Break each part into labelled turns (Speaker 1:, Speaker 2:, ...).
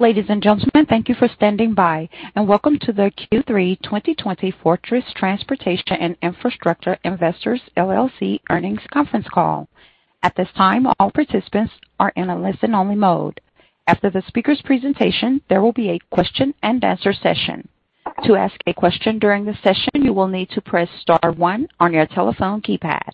Speaker 1: Ladies and gentlemen, thank you for standing by, and welcome to the Q3 2020 Fortress Transportation and Infrastructure Investors LLC Earnings Conference Call. At this time, all participants are in a listen-only mode. After the speaker's presentation, there will be a question-and-answer session. To ask a question during the session, you will need to press star one on your telephone keypad.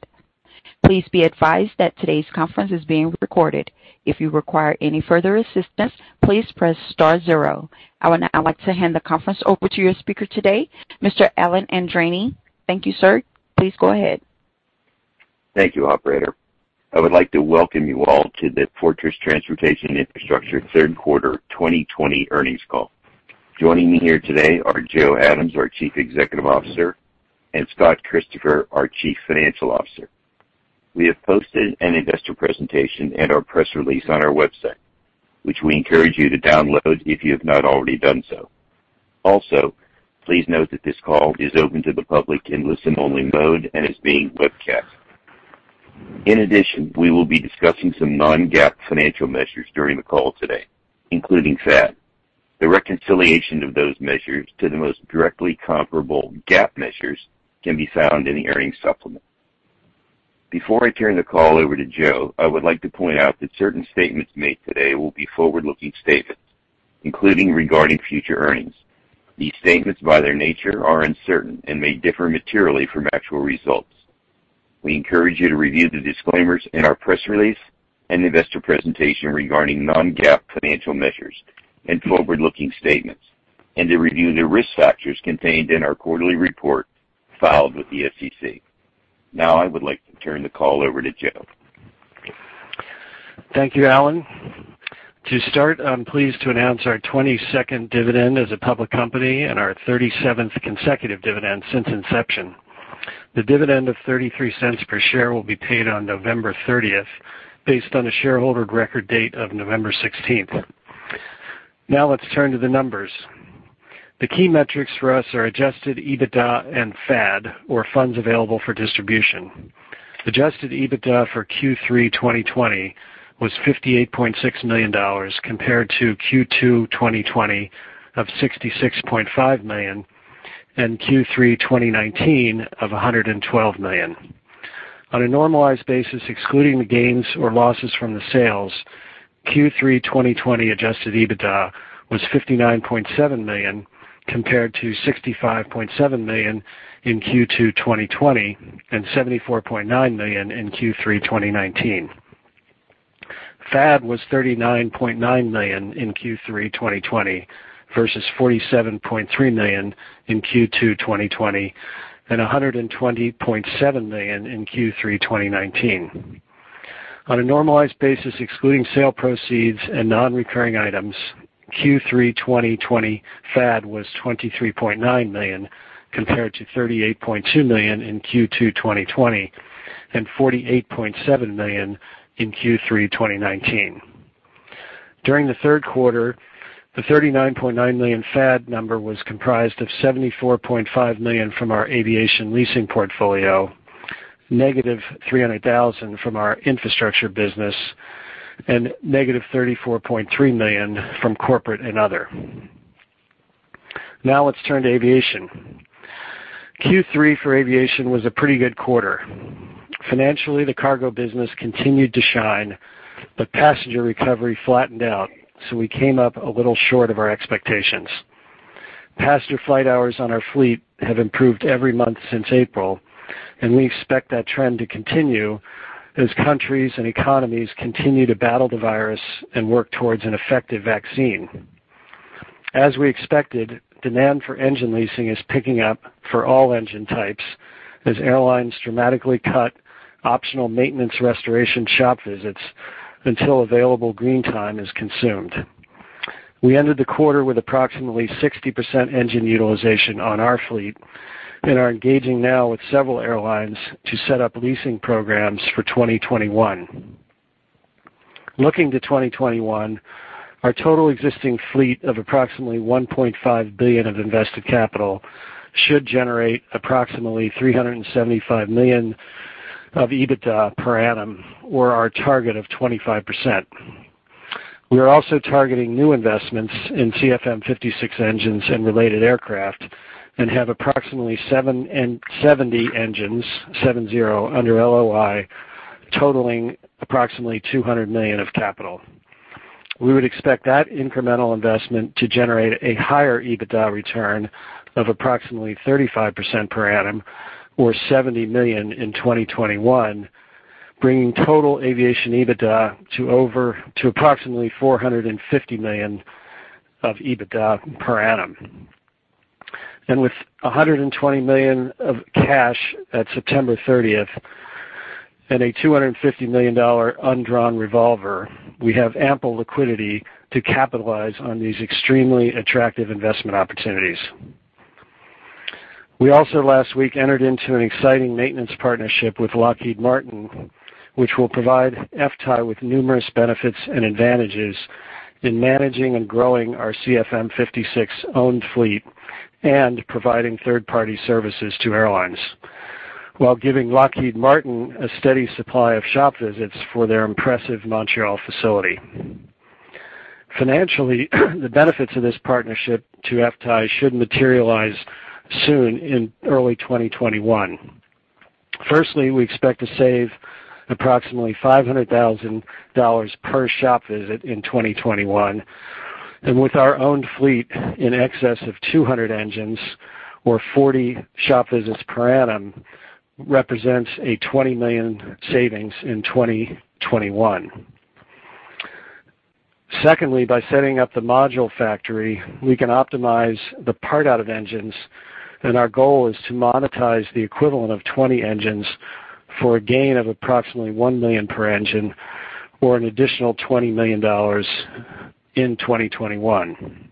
Speaker 1: Please be advised that today's conference is being recorded. If you require any further assistance, please press star zero. I would now like to hand the conference over to your speaker today, Mr. Alan Andreini. Thank you, sir. Please go ahead.
Speaker 2: Thank you, Operator. I would like to welcome you all to the Fortress Transportation and Infrastructure Investors Third Quarter 2020 Earnings Call. Joining me here today are Joe Adams, our Chief Executive Officer, and Scott Christopher, our Chief Financial Officer. We have posted an investor presentation and our press release on our website, which we encourage you to download if you have not already done so. Also, please note that this call is open to the public in listen-only mode and is being webcast. In addition, we will be discussing some non-GAAP financial measures during the call today, including FAD. The reconciliation of those measures to the most directly comparable GAAP measures can be found in the earnings supplement. Before I turn the call over to Joe, I would like to point out that certain statements made today will be forward-looking statements, including regarding future earnings. These statements, by their nature, are uncertain and may differ materially from actual results. We encourage you to review the disclaimers in our press release and investor presentation regarding non-GAAP financial measures and forward-looking statements, and to review the risk factors contained in our quarterly report filed with the SEC. Now, I would like to turn the call over to Joe.
Speaker 3: Thank you, Alan. To start, I'm pleased to announce our 22nd dividend as a public company and our 37th consecutive dividend since inception. The dividend of $0.33 per share will be paid on November 30th, based on the shareholder record date of November 16th. Now, let's turn to the numbers. The key metrics for us are Adjusted EBITDA and FAD, or funds available for distribution. Adjusted EBITDA for Q3 2020 was $58.6 million compared to Q2 2020 of $66.5 million and Q3 2019 of $112 million. On a normalized basis, excluding the gains or losses from the sales, Q3 2020 Adjusted EBITDA was $59.7 million compared to $65.7 million in Q2 2020 and $74.9 million in Q3 2019. FAD was $39.9 million in Q3 2020 versus $47.3 million in Q2 2020 and $120.7 million in Q3 2019. On a normalized basis, excluding sale proceeds and non-recurring items, Q3 2020 FAD was $23.9 million compared to $38.2 million in Q2 2020 and $48.7 million in Q3 2019. During the third quarter, the $39.9 million FAD number was comprised of $74.5 million from our aviation leasing portfolio, negative $300,000 from our infrastructure business, and negative $34.3 million from corporate and other. Now, let's turn to aviation. Q3 for aviation was a pretty good quarter. Financially, the cargo business continued to shine, but passenger recovery flattened out, so we came up a little short of our expectations. Passenger flight hours on our fleet have improved every month since April, and we expect that trend to continue as countries and economies continue to battle the virus and work towards an effective vaccine. As we expected, demand for engine leasing is picking up for all engine types as airlines dramatically cut optional maintenance restoration shop visits until available green time is consumed. We ended the quarter with approximately 60% engine utilization on our fleet and are engaging now with several airlines to set up leasing programs for 2021. Looking to 2021, our total existing fleet of approximately $1.5 billion of invested capital should generate approximately $375 million of EBITDA per annum, or our target of 25%. We are also targeting new investments in CFM56 engines and related aircraft and have approximately 70 engines, seven-zero under LOI, totaling approximately $200 million of capital. We would expect that incremental investment to generate a higher EBITDA return of approximately 35% per annum, or $70 million in 2021, bringing total aviation EBITDA to approximately $450 million of EBITDA per annum. With $120 million of cash at September 30th and a $250 million undrawn revolver, we have ample liquidity to capitalize on these extremely attractive investment opportunities. We also, last week, entered into an exciting maintenance partnership with Lockheed Martin, which will provide FTAI with numerous benefits and advantages in managing and growing our CFM56-owned fleet and providing third-party services to airlines, while giving Lockheed Martin a steady supply of shop visits for their impressive Montreal facility. Financially, the benefits of this partnership to FTAI should materialize soon in early 2021. Firstly, we expect to save approximately $500,000 per shop visit in 2021, and with our owned fleet in excess of 200 engines, or 40 shop visits per annum, represents a $20 million savings in 2021. Secondly, by setting up the Module Factory, we can optimize the part out of engines, and our goal is to monetize the equivalent of 20 engines for a gain of approximately $1 million per engine, or an additional $20 million in 2021.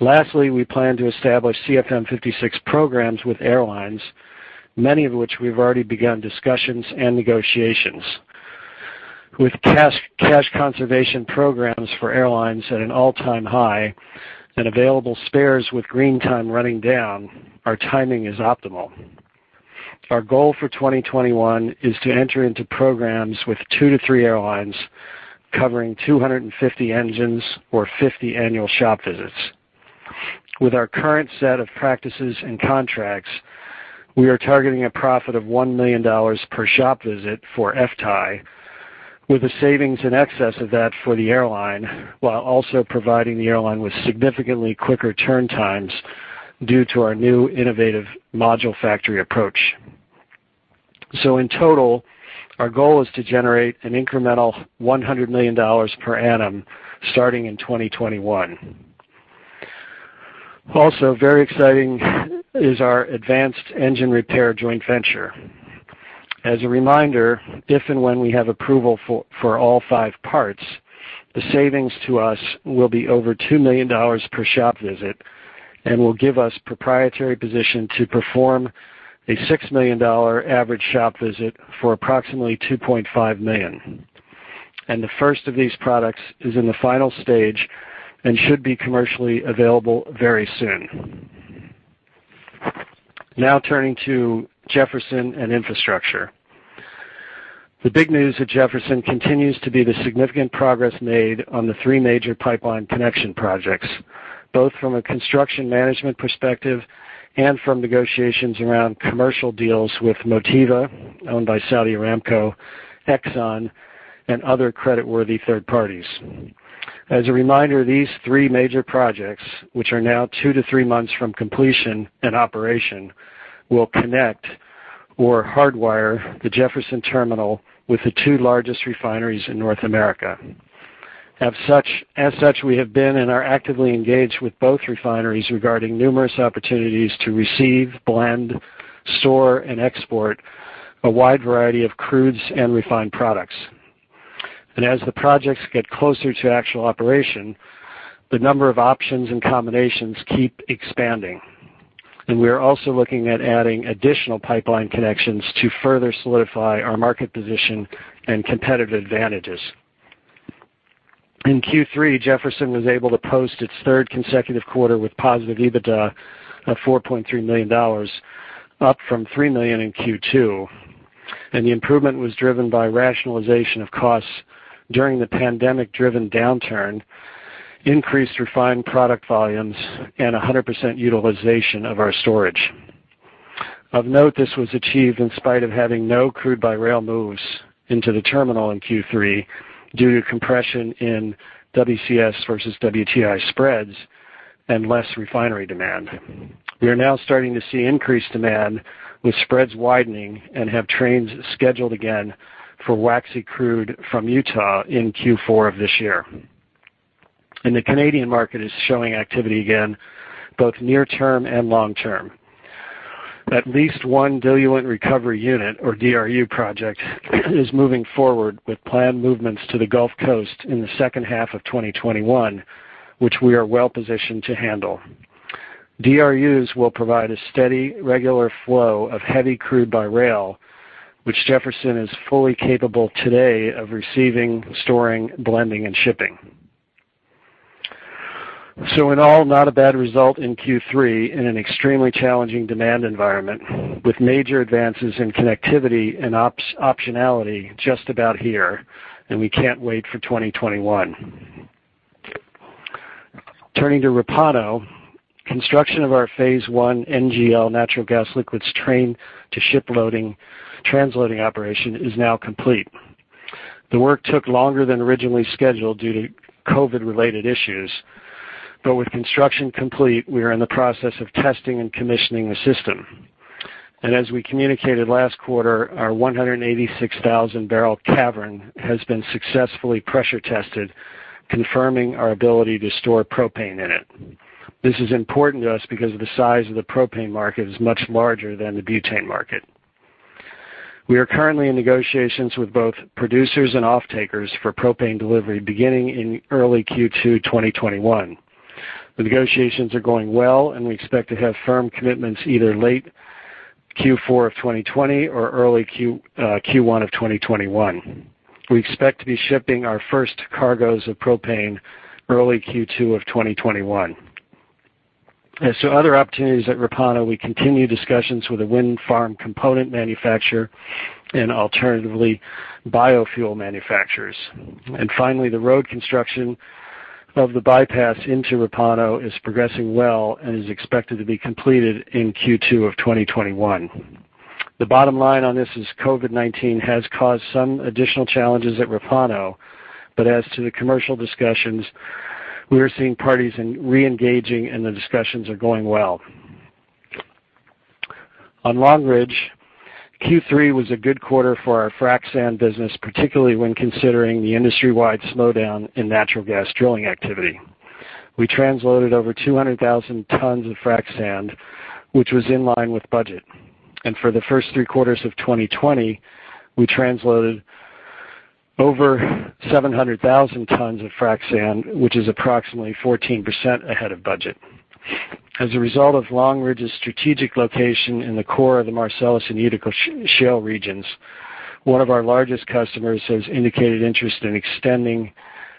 Speaker 3: Lastly, we plan to establish CFM56 programs with airlines, many of which we've already begun discussions and negotiations. With cash conservation programs for airlines at an all-time high and available spares with green time running down, our timing is optimal. Our goal for 2021 is to enter into programs with two to three airlines covering 250 engines or 50 annual shop visits. With our current set of practices and contracts, we are targeting a profit of $1 million per shop visit for FTAI, with the savings in excess of that for the airline, while also providing the airline with significantly quicker turn times due to our new innovative module factory approach. So in total, our goal is to generate an incremental $100 million per annum starting in 2021. Also, very exciting is our advanced engine repair joint venture. As a reminder, if and when we have approval for all five parts, the savings to us will be over $2 million per shop visit and will give us proprietary position to perform a $6 million average shop visit for approximately $2.5 million. And the first of these products is in the final stage and should be commercially available very soon. Now, turning to Jefferson and infrastructure. The big news at Jefferson continues to be the significant progress made on the three major pipeline connection projects, both from a construction management perspective and from negotiations around commercial deals with Motiva, owned by Saudi Aramco, Exxon, and other creditworthy third parties. As a reminder, these three major projects, which are now two to three months from completion and operation, will connect or hardwire the Jefferson terminal with the two largest refineries in North America. As such, we have been and are actively engaged with both refineries regarding numerous opportunities to receive, blend, store, and export a wide variety of crudes and refined products. And as the projects get closer to actual operation, the number of options and combinations keep expanding. And we are also looking at adding additional pipeline connections to further solidify our market position and competitive advantages. In Q3, Jefferson was able to post its third consecutive quarter with positive EBITDA of $4.3 million, up from $3 million in Q2, and the improvement was driven by rationalization of costs during the pandemic-driven downturn, increased refined product volumes, and 100% utilization of our storage. Of note, this was achieved in spite of having no crude by rail moves into the terminal in Q3 due to compression in WCS versus WTI spreads and less refinery demand. We are now starting to see increased demand with spreads widening and have trains scheduled again for waxy crude from Utah in Q4 of this year, and the Canadian market is showing activity again, both near-term and long-term. At least one diluent recovery unit, or DRU project, is moving forward with planned movements to the Gulf Coast in the second half of 2021, which we are well-positioned to handle. DRUs will provide a steady, regular flow of heavy crude by rail, which Jefferson is fully capable today of receiving, storing, blending, and shipping, so in all, not a bad result in Q3 in an extremely challenging demand environment, with major advances in connectivity and optionality just about here, and we can't wait for 2021. Turning to Repauno, construction of our phase one NGL natural gas liquids train-to-ship loading transloading operation is now complete. The work took longer than originally scheduled due to COVID-related issues, but with construction complete, we are in the process of testing and commissioning the system, and as we communicated last quarter, our 186,000-barrel cavern has been successfully pressure tested, confirming our ability to store propane in it. This is important to us because the size of the propane market is much larger than the butane market. We are currently in negotiations with both producers and off-takers for propane delivery beginning in early Q2 2021. The negotiations are going well, and we expect to have firm commitments either late Q4 of 2020 or early Q1 of 2021. We expect to be shipping our first cargoes of propane early Q2 of 2021. As to other opportunities at Repauno, we continue discussions with a wind farm component manufacturer and alternative biofuel manufacturers. And finally, the road construction of the bypass into Repauno is progressing well and is expected to be completed in Q2 of 2021. The bottom line on this is COVID-19 has caused some additional challenges at Repauno, but as to the commercial discussions, we are seeing parties re-engaging and the discussions are going well. On Long Ridge, Q3 was a good quarter for our frac sand business, particularly when considering the industry-wide slowdown in natural gas drilling activity. We transloaded over 200,000 tons of frac sand, which was in line with budget. And for the first three quarters of 2020, we transloaded over 700,000 tons of frac sand, which is approximately 14% ahead of budget. As a result of Long Ridge's strategic location in the core of the Marcellus and Utica Shale regions, one of our largest customers has indicated interest in extending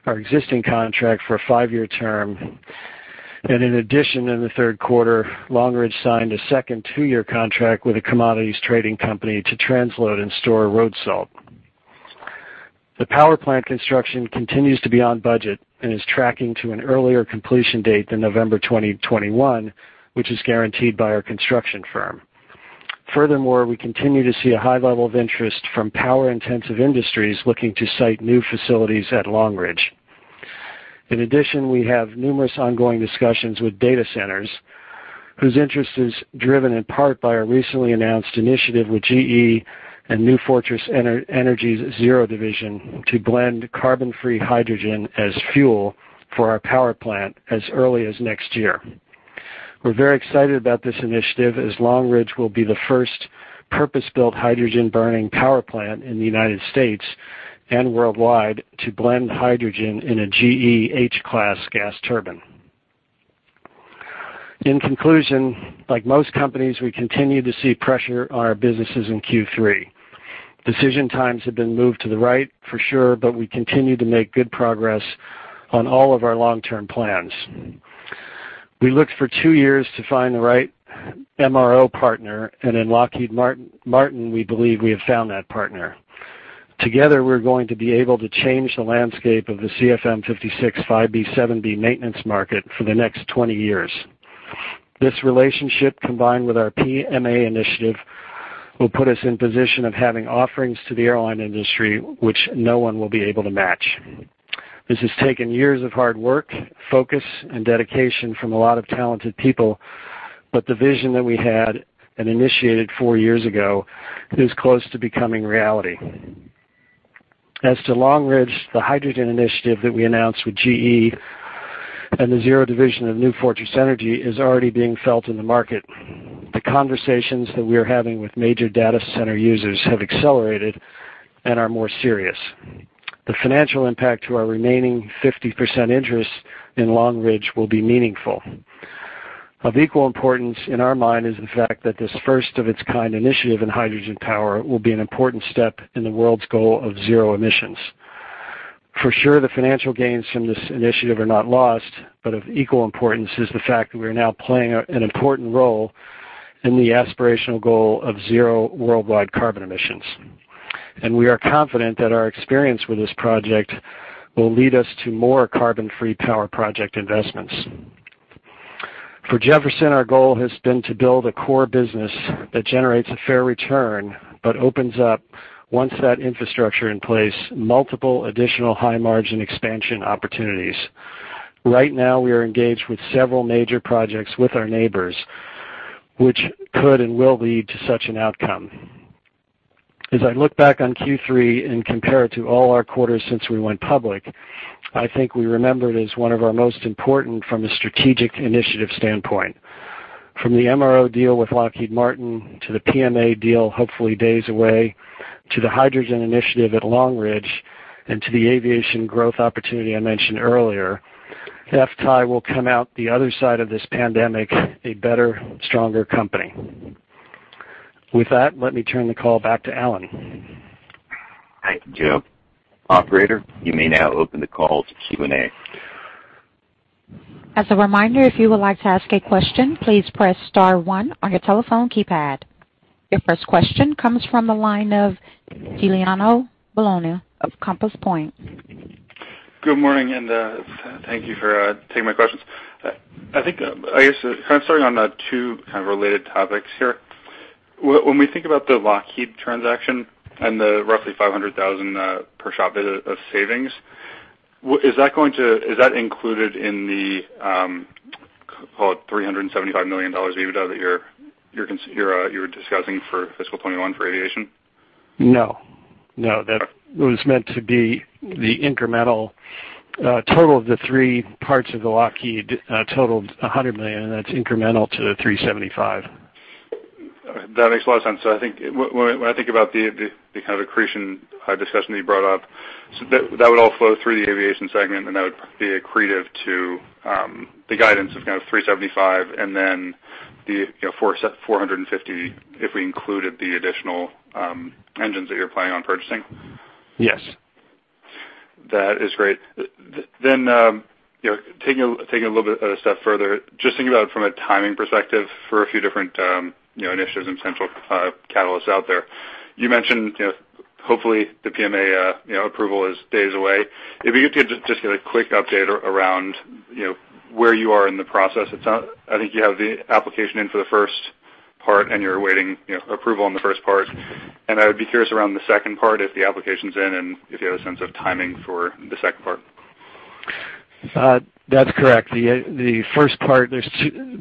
Speaker 3: our existing contract for a five-year term. And in addition, in the third quarter, Long Ridge signed a second two-year contract with a commodities trading company to transload and store road salt. The power plant construction continues to be on budget and is tracking to an earlier completion date than November 2021, which is guaranteed by our construction firm. Furthermore, we continue to see a high level of interest from power-intensive industries looking to site new facilities at Long Ridge. In addition, we have numerous ongoing discussions with data centers, whose interest is driven in part by our recently announced initiative with GE and New Fortress Energy's Zero division to blend carbon-free hydrogen as fuel for our power plant as early as next year. We're very excited about this initiative as Long Ridge will be the first purpose-built hydrogen-burning power plant in the United States and worldwide to blend hydrogen in a GE H-Class Gas Turbine. In conclusion, like most companies, we continue to see pressure on our businesses in Q3. Decision times have been moved to the right, for sure, but we continue to make good progress on all of our long-term plans. We looked for two years to find the right MRO partner, and in Lockheed Martin, we believe we have found that partner. Together, we're going to be able to change the landscape of the CFM56-5B/7B maintenance market for the next 20 years. This relationship, combined with our PMA initiative, will put us in position of having offerings to the airline industry which no one will be able to match. This has taken years of hard work, focus, and dedication from a lot of talented people, but the vision that we had and initiated four years ago is close to becoming reality. As to Long Ridge, the hydrogen initiative that we announced with GE and the Zero division of New Fortress Energy is already being felt in the market. The conversations that we are having with major data center users have accelerated and are more serious. The financial impact to our remaining 50% interest in Long Ridge will be meaningful. Of equal importance in our mind is the fact that this first-of-its-kind initiative in hydrogen power will be an important step in the world's goal of zero emissions. For sure, the financial gains from this initiative are not lost, but of equal importance is the fact that we are now playing an important role in the aspirational goal of zero worldwide carbon emissions. And we are confident that our experience with this project will lead us to more carbon-free power project investments. For Jefferson, our goal has been to build a core business that generates a fair return but opens up, once that infrastructure in place, multiple additional high-margin expansion opportunities. Right now, we are engaged with several major projects with our neighbors, which could and will lead to such an outcome. As I look back on Q3 and compare it to all our quarters since we went public, I think we remember it as one of our most important from a strategic initiative standpoint. From the MRO deal with Lockheed Martin to the PMA deal, hopefully days away, to the hydrogen initiative at Long Ridge and to the aviation growth opportunity I mentioned earlier, FTAI will come out the other side of this pandemic a better, stronger company. With that, let me turn the call back to Alan.
Speaker 2: Thank you, Joe. Operator, you may now open the call to Q&A.
Speaker 1: As a reminder, if you would like to ask a question, please press star one on your telephone keypad. Your first question comes from the line of Giuliano Bologna of Compass Point.
Speaker 4: Good morning, and thank you for taking my questions. I guess kind of starting on two kind of related topics here. When we think about the Lockheed transaction and the roughly 500,000 per shop visit of savings, is that included in the called $375 million EBITDA that you were discussing for fiscal 2021 for aviation?
Speaker 3: No. No. That was meant to be the incremental total of the three parts of the Lockheed totaled $100 million, and that's incremental to the $375 million.
Speaker 4: That makes a lot of sense. So I think when I think about the kind of accretion discussion that you brought up, that would all flow through the aviation segment, and that would be accretive to the guidance of kind of $375 million and then the $450 million if we included the additional engines that you're planning on purchasing.
Speaker 3: Yes.
Speaker 4: That is great. Then taking a little bit of a step further, just thinking about it from a timing perspective for a few different initiatives and potential catalysts out there. You mentioned hopefully the PMA approval is days away. If you could just get a quick update around where you are in the process. I think you have the application in for the first part, and you're awaiting approval on the first part. And I would be curious around the second part if the application's in and if you have a sense of timing for the second part. That's correct. The first part, there's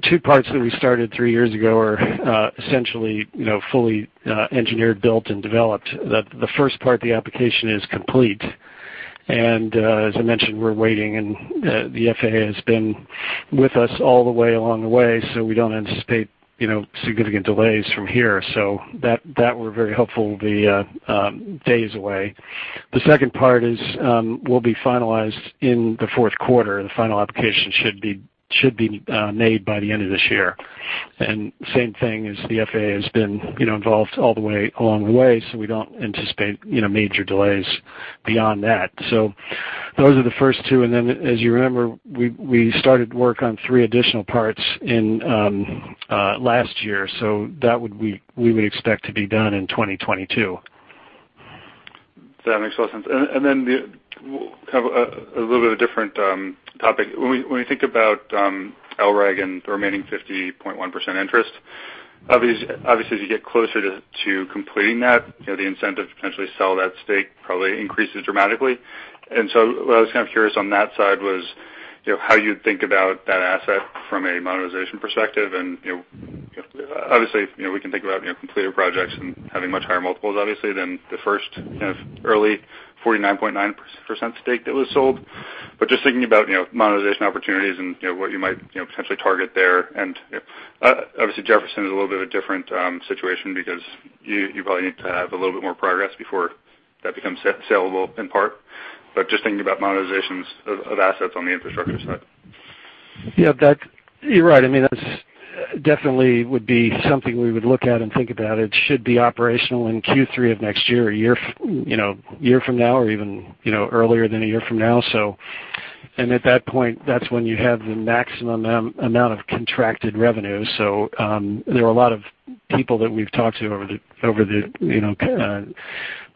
Speaker 4: two parts that we started three years ago are essentially fully engineered, built, and developed. The first part, the application is complete. And as I mentioned, we're waiting, and the FAA has been with us all the way along the way, so we don't anticipate significant delays from here. So that will be very helpful to be days away. The second part will be finalized in the fourth quarter. The final application should be made by the end of this year, and same thing as the FAA has been involved all the way along the way, so we don't anticipate major delays beyond that. So those are the first two, and then, as you remember, we started work on three additional parts last year. So that would be we would expect to be done in 2022. That makes a lot of sense, and then kind of a little bit of a different topic. When we think about LREG and the remaining 50.1% interest, obviously, as you get closer to completing that, the incentive to potentially sell that stake probably increases dramatically. And so I was kind of curious on that side was how you'd think about that asset from a monetization perspective. And obviously, we can think about completed projects and having much higher multiples, obviously, than the first kind of early 49.9% stake that was sold. But just thinking about monetization opportunities and what you might potentially target there. And obviously, Jefferson is a little bit of a different situation because you probably need to have a little bit more progress before that becomes saleable in part. But just thinking about monetizations of assets on the infrastructure side.
Speaker 3: Yeah, you're right. I mean, that definitely would be something we would look at and think about. It should be operational in Q3 of next year, a year from now, or even earlier than a year from now. And at that point, that's when you have the maximum amount of contracted revenue. So there are a lot of people that we've talked to over the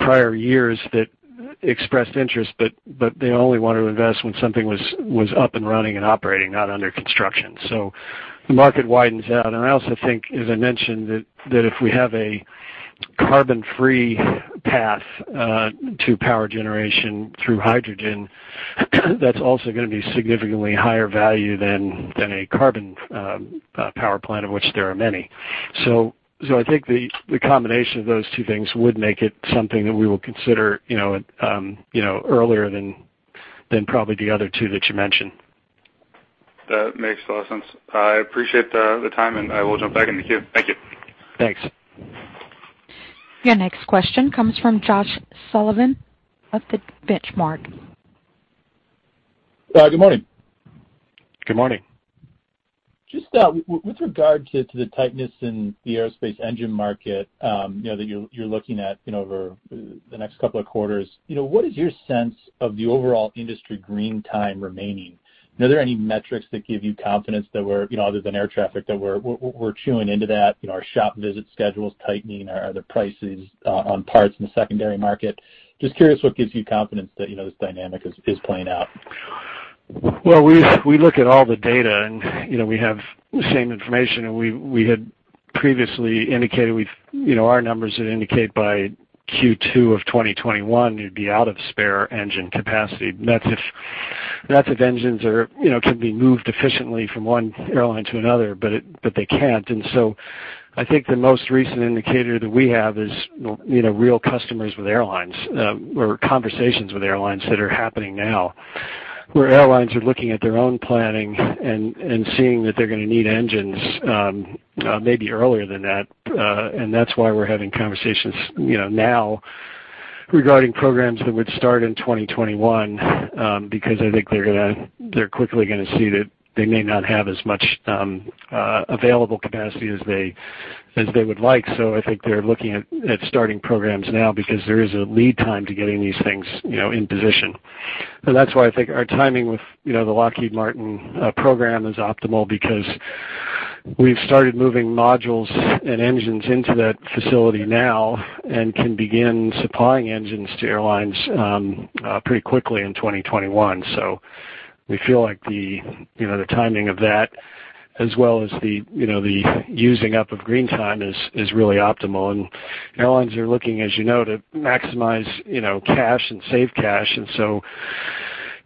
Speaker 3: prior years that expressed interest, but they only wanted to invest when something was up and running and operating, not under construction. So the market widens out. And I also think, as I mentioned, that if we have a carbon-free path to power generation through hydrogen, that's also going to be significantly higher value than a carbon power plant, of which there are many. So I think the combination of those two things would make it something that we will consider earlier than probably the other two that you mentioned.
Speaker 4: That makes a lot of sense. I appreciate the time, and I will jump back in the queue. Thank you.
Speaker 3: Thanks.
Speaker 1: Your next question comes from Josh Sullivan of the Benchmark.
Speaker 5: Good morning.
Speaker 3: Good morning.
Speaker 5: Just with regard to the tightness in the aerospace engine market that you're looking at over the next couple of quarters, what is your sense of the overall industry green time remaining? Are there any metrics that give you confidence that we're, other than air traffic, that we're chewing into that? Our shop visit schedules tightening, the prices on parts in the secondary market. Just curious what gives you confidence that this dynamic is playing out.
Speaker 3: Well, we look at all the data, and we have the same information. And we had previously indicated our numbers that indicate by Q2 of 2021, it'd be out of spare engine capacity. That's if engines can be moved efficiently from one airline to another, but they can't. And so I think the most recent indicator that we have is real customers with airlines or conversations with airlines that are happening now, where airlines are looking at their own planning and seeing that they're going to need engines maybe earlier than that, and that's why we're having conversations now regarding programs that would start in 2021 because I think they're quickly going to see that they may not have as much available capacity as they would like, so I think they're looking at starting programs now because there is a lead time to getting these things in position, and that's why I think our timing with the Lockheed Martin program is optimal because we've started moving modules and engines into that facility now and can begin supplying engines to airlines pretty quickly in 2021. So we feel like the timing of that, as well as the using up of green time, is really optimal. And airlines are looking, as you know, to maximize cash and save cash. And so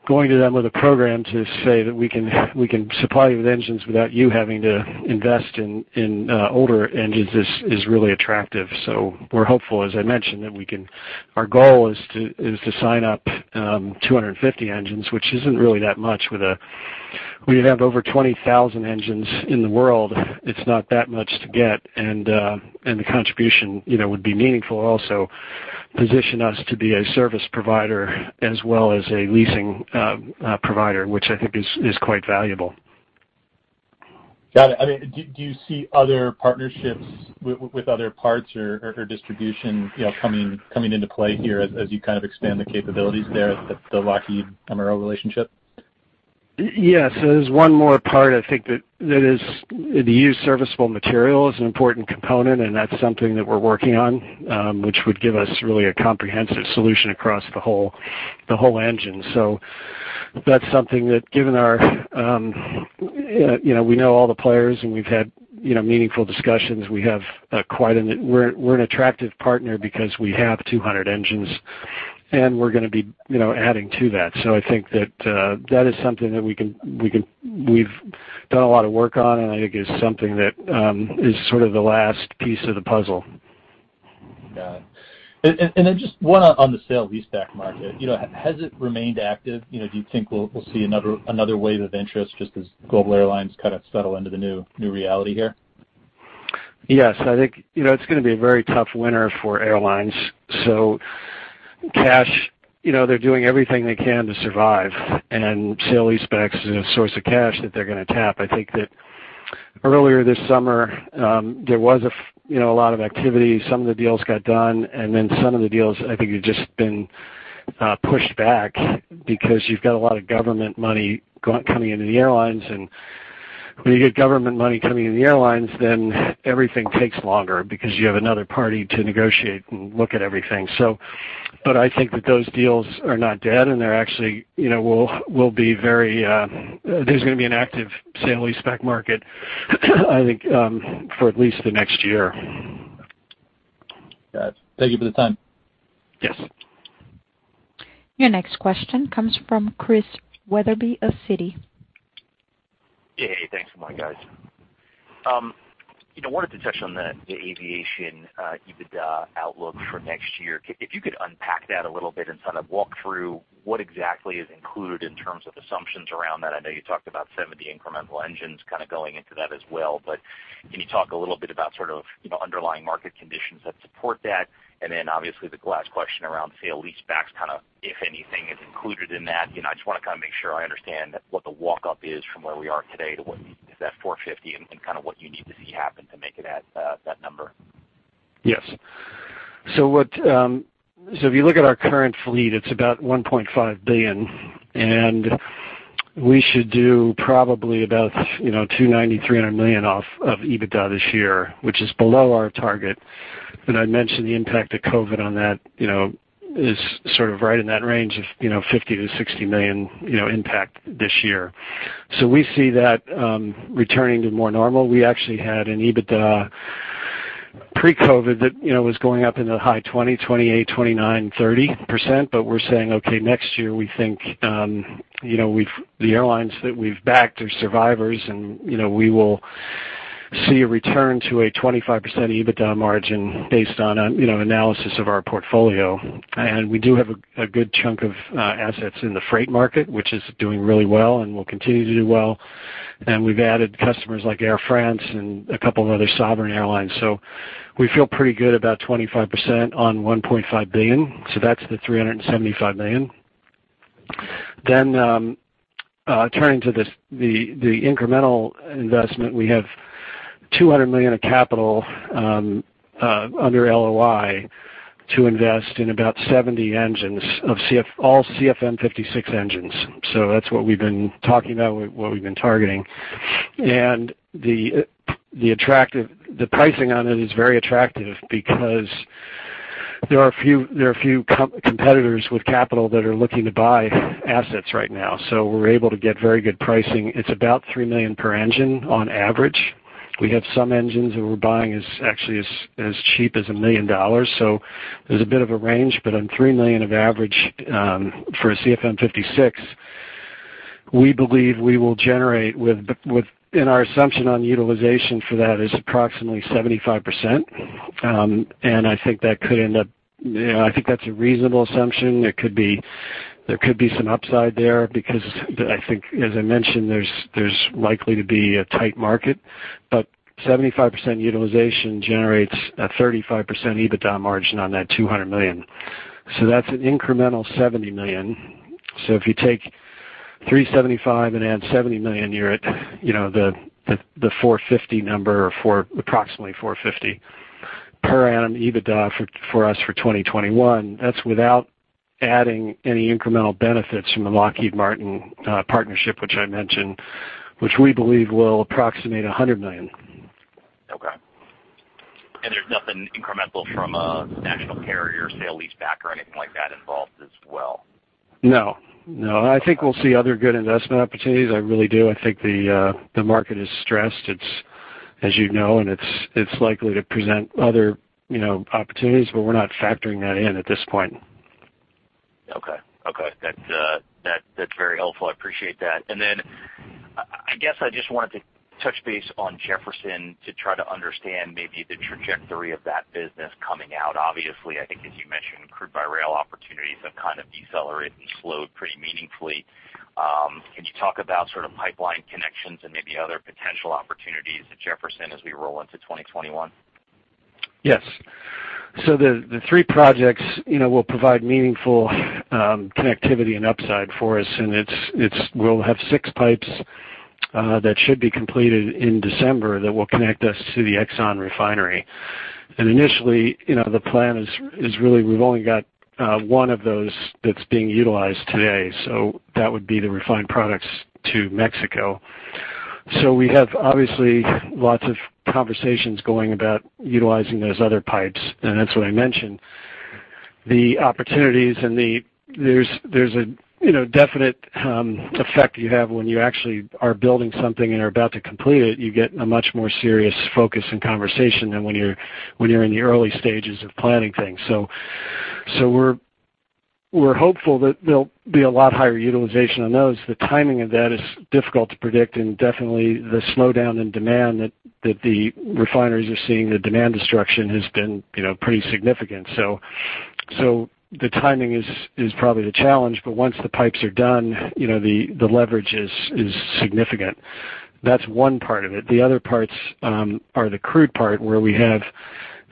Speaker 3: going to them with a program to say that we can supply you with engines without you having to invest in older engines is really attractive. So we're hopeful, as I mentioned, that we can. Our goal is to sign up 250 engines, which isn't really that much. We have over 20,000 engines in the world. It's not that much to get. And the contribution would be meaningful. Also position us to be a service provider as well as a leasing provider, which I think is quite valuable.
Speaker 5: Got it. I mean, do you see other partnerships with other parts or distribution coming into play here as you kind of expand the capabilities there at the Lockheed MRO relationship?
Speaker 3: Yes. There's one more part I think that is the use of serviceable material is an important component, and that's something that we're working on, which would give us really a comprehensive solution across the whole engine. So that's something that, given our—we know all the players, and we've had meaningful discussions. We have quite a—we're an attractive partner because we have 200 engines, and we're going to be adding to that. So I think that that is something that we've done a lot of work on, and I think it's something that is sort of the last piece of the puzzle.
Speaker 5: Got it. And then just one on the sale leaseback market. Has it remained active? Do you think we'll see another wave of interest just as global airlines kind of settle into the new reality here?
Speaker 3: Yes. I think it's going to be a very tough winter for airlines. So, cash, they're doing everything they can to survive. And sale-leasebacks is a source of cash that they're going to tap. I think that earlier this summer, there was a lot of activity. Some of the deals got done, and then some of the deals, I think, have just been pushed back because you've got a lot of government money coming into the airlines. And when you get government money coming into the airlines, then everything takes longer because you have another party to negotiate and look at everything. But I think that those deals are not dead, and they actually will be very. There's going to be an active sale leaseback market, I think, for at least the next year.
Speaker 5: Got it. Thank you for the time.
Speaker 3: Yes.
Speaker 1: Your next question comes from Chris Wetherbee of Citi.
Speaker 6: Hey, hey. Thanks for the line, guys. I wanted to touch on the aviation EBITDA outlook for next year. If you could unpack that a little bit and sort of walk through what exactly is included in terms of assumptions around that. I know you talked about some of the incremental engines kind of going into that as well. But can you talk a little bit about sort of underlying market conditions that support that? And then, obviously, the last question around sale leasebacks, kind of if anything is included in that. I just want to kind of make sure I understand what the walk-up is from where we are today to what is that 450 and kind of what you need to see happen to make it at that number.
Speaker 3: Yes. So if you look at our current fleet, it's about $1.5 billion. And we should do probably about $290 million-$300 million off of EBITDA this year, which is below our target. But I mentioned the impact of COVID on that is sort of right in that range of $50 million-$60 million impact this year. So we see that returning to more normal. We actually had an EBITDA pre-COVID that was going up into the high 20%, 28%, 29%, 30%. We're saying, "Okay, next year, we think the airlines that we've backed are survivors, and we will see a return to a 25% EBITDA margin based on analysis of our portfolio." We do have a good chunk of assets in the freight market, which is doing really well and will continue to do well. We've added customers like Air France and a couple of other sovereign airlines. We feel pretty good about 25% on $1.5 billion. That's the $375 million. Then turning to the incremental investment, we have $200 million of capital under LOI to invest in about 70 engines of all CFM56 engines. That's what we've been talking about, what we've been targeting. The pricing on it is very attractive because there are a few competitors with capital that are looking to buy assets right now. We're able to get very good pricing. It's about $3 million per engine on average. We have some engines that we're buying is actually as cheap as $1 million. So there's a bit of a range. But on $3 million on average for a CFM56, we believe we will generate with, in our assumption on utilization for that, is approximately 75%. And I think that could end up. I think that's a reasonable assumption. There could be some upside there because I think, as I mentioned, there's likely to be a tight market. But 75% utilization generates a 35% EBITDA margin on that $200 million. So that's an incremental $70 million. So if you take $375 million and add $70 million, you're at the 450 number or approximately $450 million per annum EBITDA for us for 2021. That's without adding any incremental benefits from the Lockheed Martin partnership, which I mentioned, which we believe will approximate $100 million.
Speaker 6: Okay. And there's nothing incremental from a national carrier sale leaseback or anything like that involved as well?
Speaker 3: No. No. I think we'll see other good investment opportunities. I really do. I think the market is stressed. It's, as you know, and it's likely to present other opportunities, but we're not factoring that in at this point.
Speaker 6: Okay. Okay. That's very helpful. I appreciate that. And then I guess I just wanted to touch base on Jefferson to try to understand maybe the trajectory of that business coming out. Obviously, I think, as you mentioned, crude by rail opportunities have kind of decelerated and slowed pretty meaningfully. Can you talk about sort of pipeline connections and maybe other potential opportunities at Jefferson as we roll into 2021?
Speaker 3: Yes. So the three projects will provide meaningful connectivity and upside for us. And we'll have six pipes that should be completed in December that will connect us to the Exxon refinery. And initially, the plan is really we've only got one of those that's being utilized today. So that would be the refined products to Mexico. So we have, obviously, lots of conversations going about utilizing those other pipes. And that's what I mentioned. The opportunities and the, there's a definite effect you have when you actually are building something and are about to complete it. You get a much more serious focus and conversation than when you're in the early stages of planning things. So we're hopeful that there'll be a lot higher utilization on those. The timing of that is difficult to predict. Definitely, the slowdown in demand that the refineries are seeing, the demand destruction has been pretty significant. The timing is probably the challenge. Once the pipes are done, the leverage is significant. That's one part of it. The other parts are the crude part where we have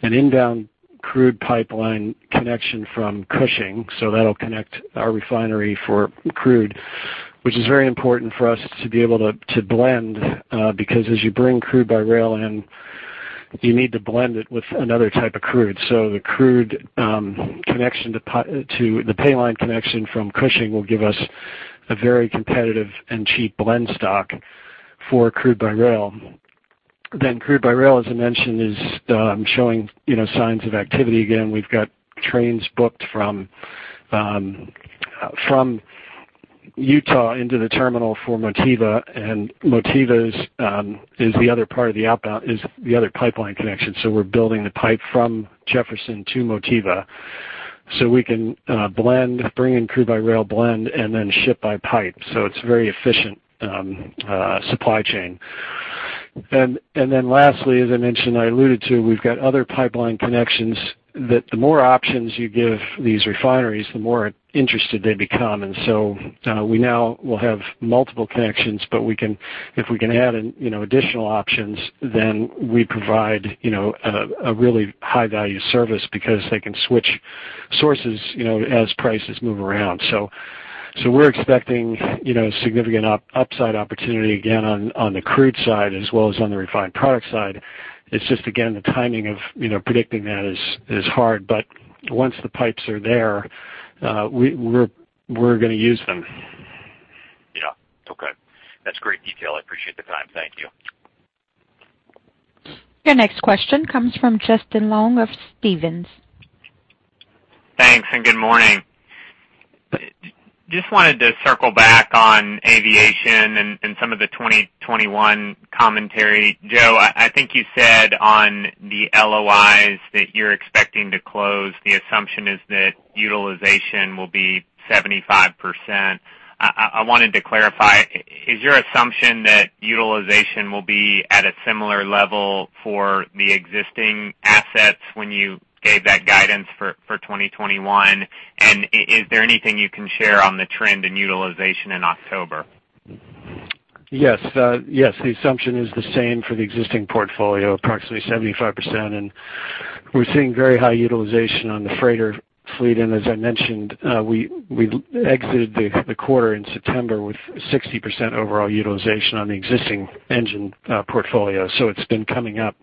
Speaker 3: an inbound crude pipeline connection from Cushing. That'll connect our refinery for crude, which is very important for us to be able to blend because as you bring crude by rail in, you need to blend it with another type of crude. The crude connection to the pipeline connection from Cushing will give us a very competitive and cheap blend stock for crude by rail. Then crude by rail, as I mentioned, is showing signs of activity. Again, we've got trains booked from Utah into the terminal for Motiva. Motiva is the other part of the outbound, is the other pipeline connection. So we're building the pipe from Jefferson to Motiva so we can blend, bring in crude by rail, blend, and then ship by pipe. So it's a very efficient supply chain. And then lastly, as I mentioned, I alluded to, we've got other pipeline connections that the more options you give these refineries, the more interested they become. And so we now will have multiple connections. But if we can add additional options, then we provide a really high-value service because they can switch sources as prices move around. So we're expecting significant upside opportunity again on the crude side as well as on the refined product side. It's just, again, the timing of predicting that is hard. But once the pipes are there, we're going to use them.
Speaker 6: Yeah. Okay. That's great detail. I appreciate the time. Thank you.
Speaker 1: Your next question comes from Justin Long of Stephens.
Speaker 3: Thanks. And good morning. Just wanted to circle back on aviation and some of the 2021 commentary. Joe, I think you said on the LOIs that you're expecting to close, the assumption is that utilization will be 75%. I wanted to clarify. Is your assumption that utilization will be at a similar level for the existing assets when you gave that guidance for 2021? And is there anything you can share on the trend in utilization in October? Yes. Yes. The assumption is the same for the existing portfolio, approximately 75%. And we're seeing very high utilization on the freighter fleet. And as I mentioned, we exited the quarter in September with 60% overall utilization on the existing engine portfolio. So it's been coming up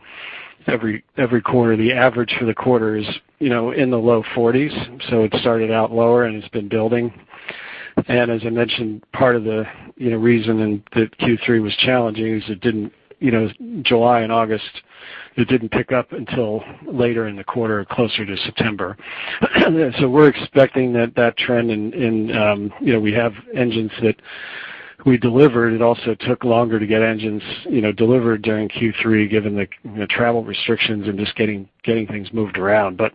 Speaker 3: every quarter. The average for the quarter is in the low 40s, so it started out lower, and it's been building, and as I mentioned, part of the reason that Q3 was challenging is it didn't, July and August, it didn't pick up until later in the quarter, closer to September, so we're expecting that trend in, we have engines that we delivered. It also took longer to get engines delivered during Q3, given the travel restrictions and just getting things moved around, but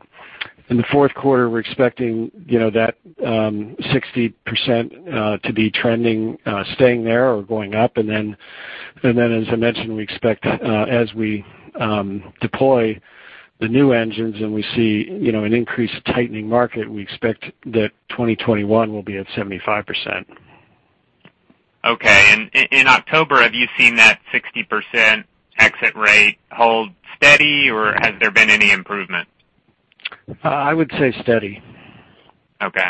Speaker 3: in the fourth quarter, we're expecting that 60% to be trending, staying there or going up, and then, as I mentioned, we expect as we deploy the new engines and we see an increased tightening market, we expect that 2021 will be at 75%.
Speaker 7: Okay, and in October, have you seen that 60% exit rate hold steady, or has there been any improvement?
Speaker 3: I would say steady.
Speaker 7: Okay.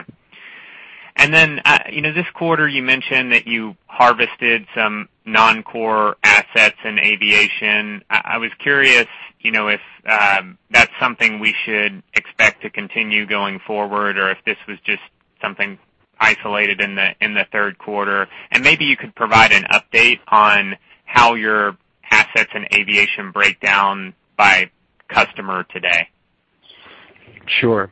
Speaker 7: And then this quarter, you mentioned that you harvested some non-core assets in aviation. I was curious if that's something we should expect to continue going forward or if this was just something isolated in the third quarter. And maybe you could provide an update on how your assets in aviation break down by customer today.
Speaker 3: Sure.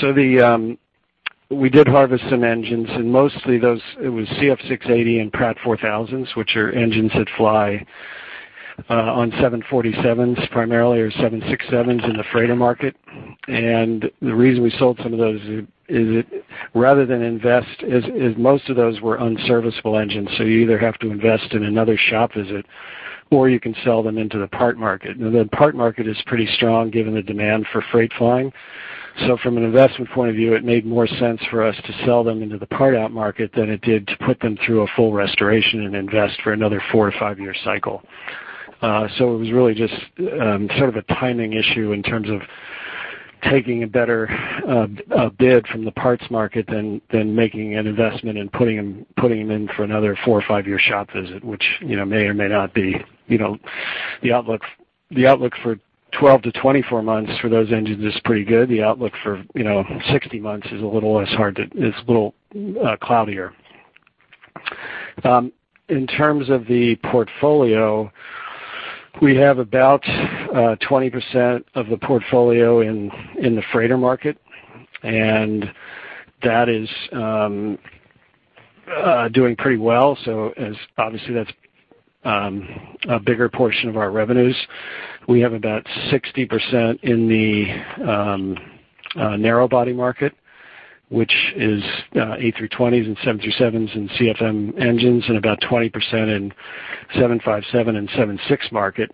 Speaker 3: So we did harvest some engines. And mostly, it was CF6-80 and PW4000s, which are engines that fly on 747s primarily or 767s in the freighter market. And the reason we sold some of those is that rather than invest, most of those were unserviceable engines. So you either have to invest in another shop visit, or you can sell them into the parts market. And the parts market is pretty strong given the demand for freight flying. So from an investment point of view, it made more sense for us to sell them into the part-out market than it did to put them through a full restoration and invest for another four-to-five-year cycle. So it was really just sort of a timing issue in terms of taking a better bid from the parts market than making an investment and putting them in for another four or five-year shop visit, which may or may not be the outlook. The outlook for 12 months-24 months for those engines is pretty good. The outlook for 60 months is a little less hard to, it's a little cloudier. In terms of the portfolio, we have about 20% of the portfolio in the freighter market. And that is doing pretty well. So obviously, that's a bigger portion of our revenues. We have about 60% in the narrow body market, which is A320s and 737s and CFM engines, and about 20% in 757 and 767 market,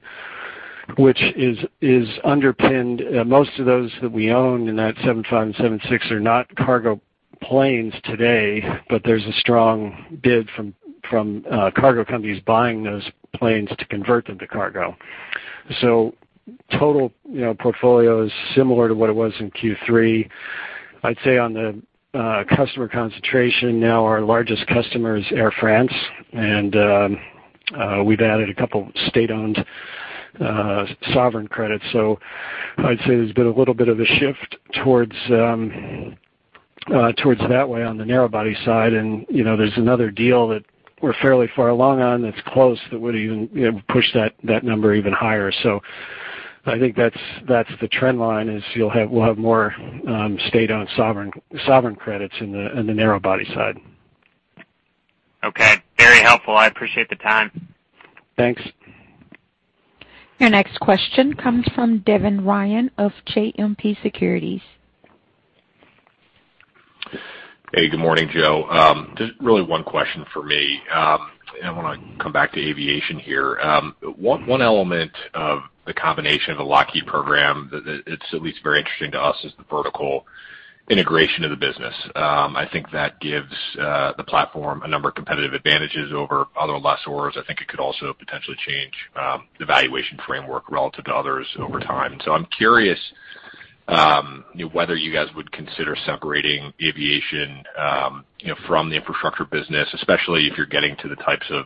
Speaker 3: which is underpinned. Most of those that we own in that 757 and 767 are not cargo planes today, but there's a strong bid from cargo companies buying those planes to convert them to cargo. So total portfolio is similar to what it was in Q3. I'd say on the customer concentration, now our largest customer is Air France. And we've added a couple of state-owned sovereign credits. So I'd say there's been a little bit of a shift towards that way on the narrow body side. And there's another deal that we're fairly far along on that's close that would even push that number even higher. So, I think that's the trend line, is we'll have more state-owned sovereign credits in the narrow body side.
Speaker 7: Okay. Very helpful. I appreciate the time.
Speaker 3: Thanks.
Speaker 1: Your next question comes from Devin Ryan of JMP Securities.
Speaker 8: Hey, good morning, Joe. Just really one question for me. And I want to come back to aviation here. One element of the combination of the Lockheed program that's at least very interesting to us is the vertical integration of the business. I think that gives the platform a number of competitive advantages over other lessors. I think it could also potentially change the valuation framework relative to others over time. And so I'm curious whether you guys would consider separating aviation from the infrastructure business, especially if you're getting to the types of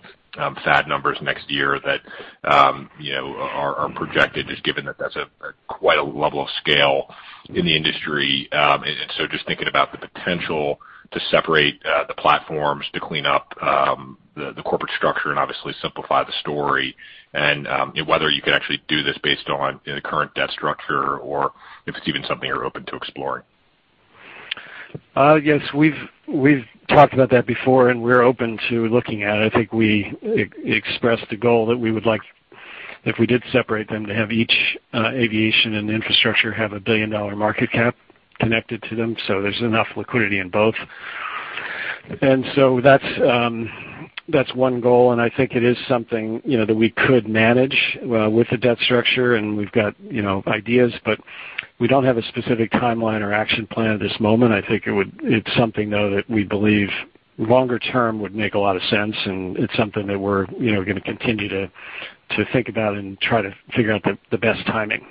Speaker 8: FAD numbers next year that are projected, just given that that's quite a level of scale in the industry. Just thinking about the potential to separate the platforms to clean up the corporate structure and obviously simplify the story, and whether you could actually do this based on the current debt structure or if it's even something you're open to exploring.
Speaker 3: Yes. We've talked about that before, and we're open to looking at it. I think we expressed the goal that we would like, if we did separate them, to have each aviation and infrastructure have a $1 billion market cap connected to them. So there's enough liquidity in both. That's one goal. I think it is something that we could manage with the debt structure. We've got ideas, but we don't have a specific timeline or action plan at this moment. I think it's something, though, that we believe longer term would make a lot of sense. It's something that we're going to continue to think about and try to figure out the best timing.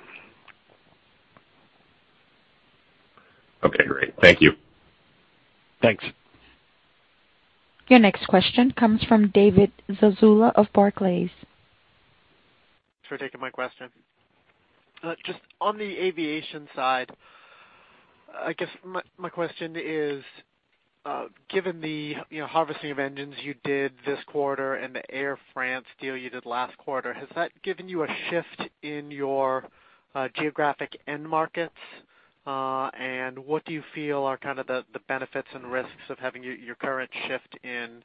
Speaker 8: Okay. Great. Thank you.
Speaker 3: Thanks.
Speaker 1: Your next question comes from David Zazula of Barclays.
Speaker 9: Thanks for taking my question. Just on the aviation side, I guess my question is, given the harvesting of engines you did this quarter and the Air France deal you did last quarter, has that given you a shift in your geographic end markets? What do you feel are kind of the benefits and risks of having your current shift in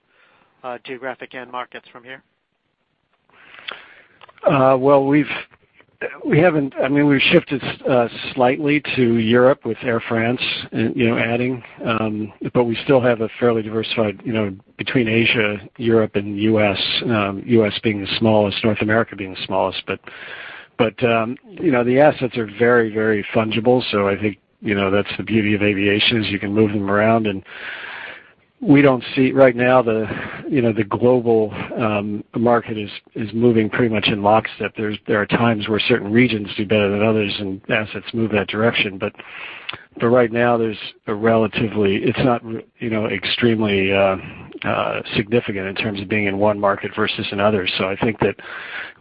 Speaker 9: geographic end markets from here?
Speaker 3: I mean, we've shifted slightly to Europe with Air France adding. We still have a fairly diversified between Asia, Europe, and U.S., U.S. being the smallest, North America being the smallest. The assets are very, very fungible. So I think that's the beauty of aviation is you can move them around. And we don't see right now the global market is moving pretty much in lockstep. There are times where certain regions do better than others, and assets move that direction. But right now, it's not extremely significant in terms of being in one market versus another. So I think that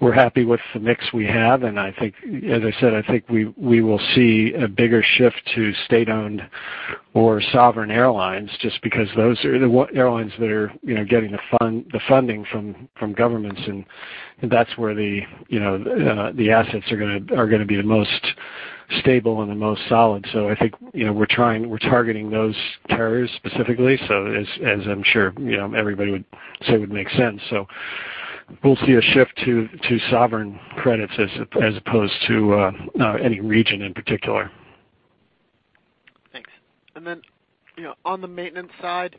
Speaker 3: we're happy with the mix we have. And as I said, I think we will see a bigger shift to state-owned or sovereign airlines just because those are the airlines that are getting the funding from governments. And that's where the assets are going to be the most stable and the most solid. So I think we're targeting those carriers specifically, as I'm sure everybody would say would make sense. So we'll see a shift to sovereign credits as opposed to any region in particular.
Speaker 9: Thanks. And then on the maintenance side,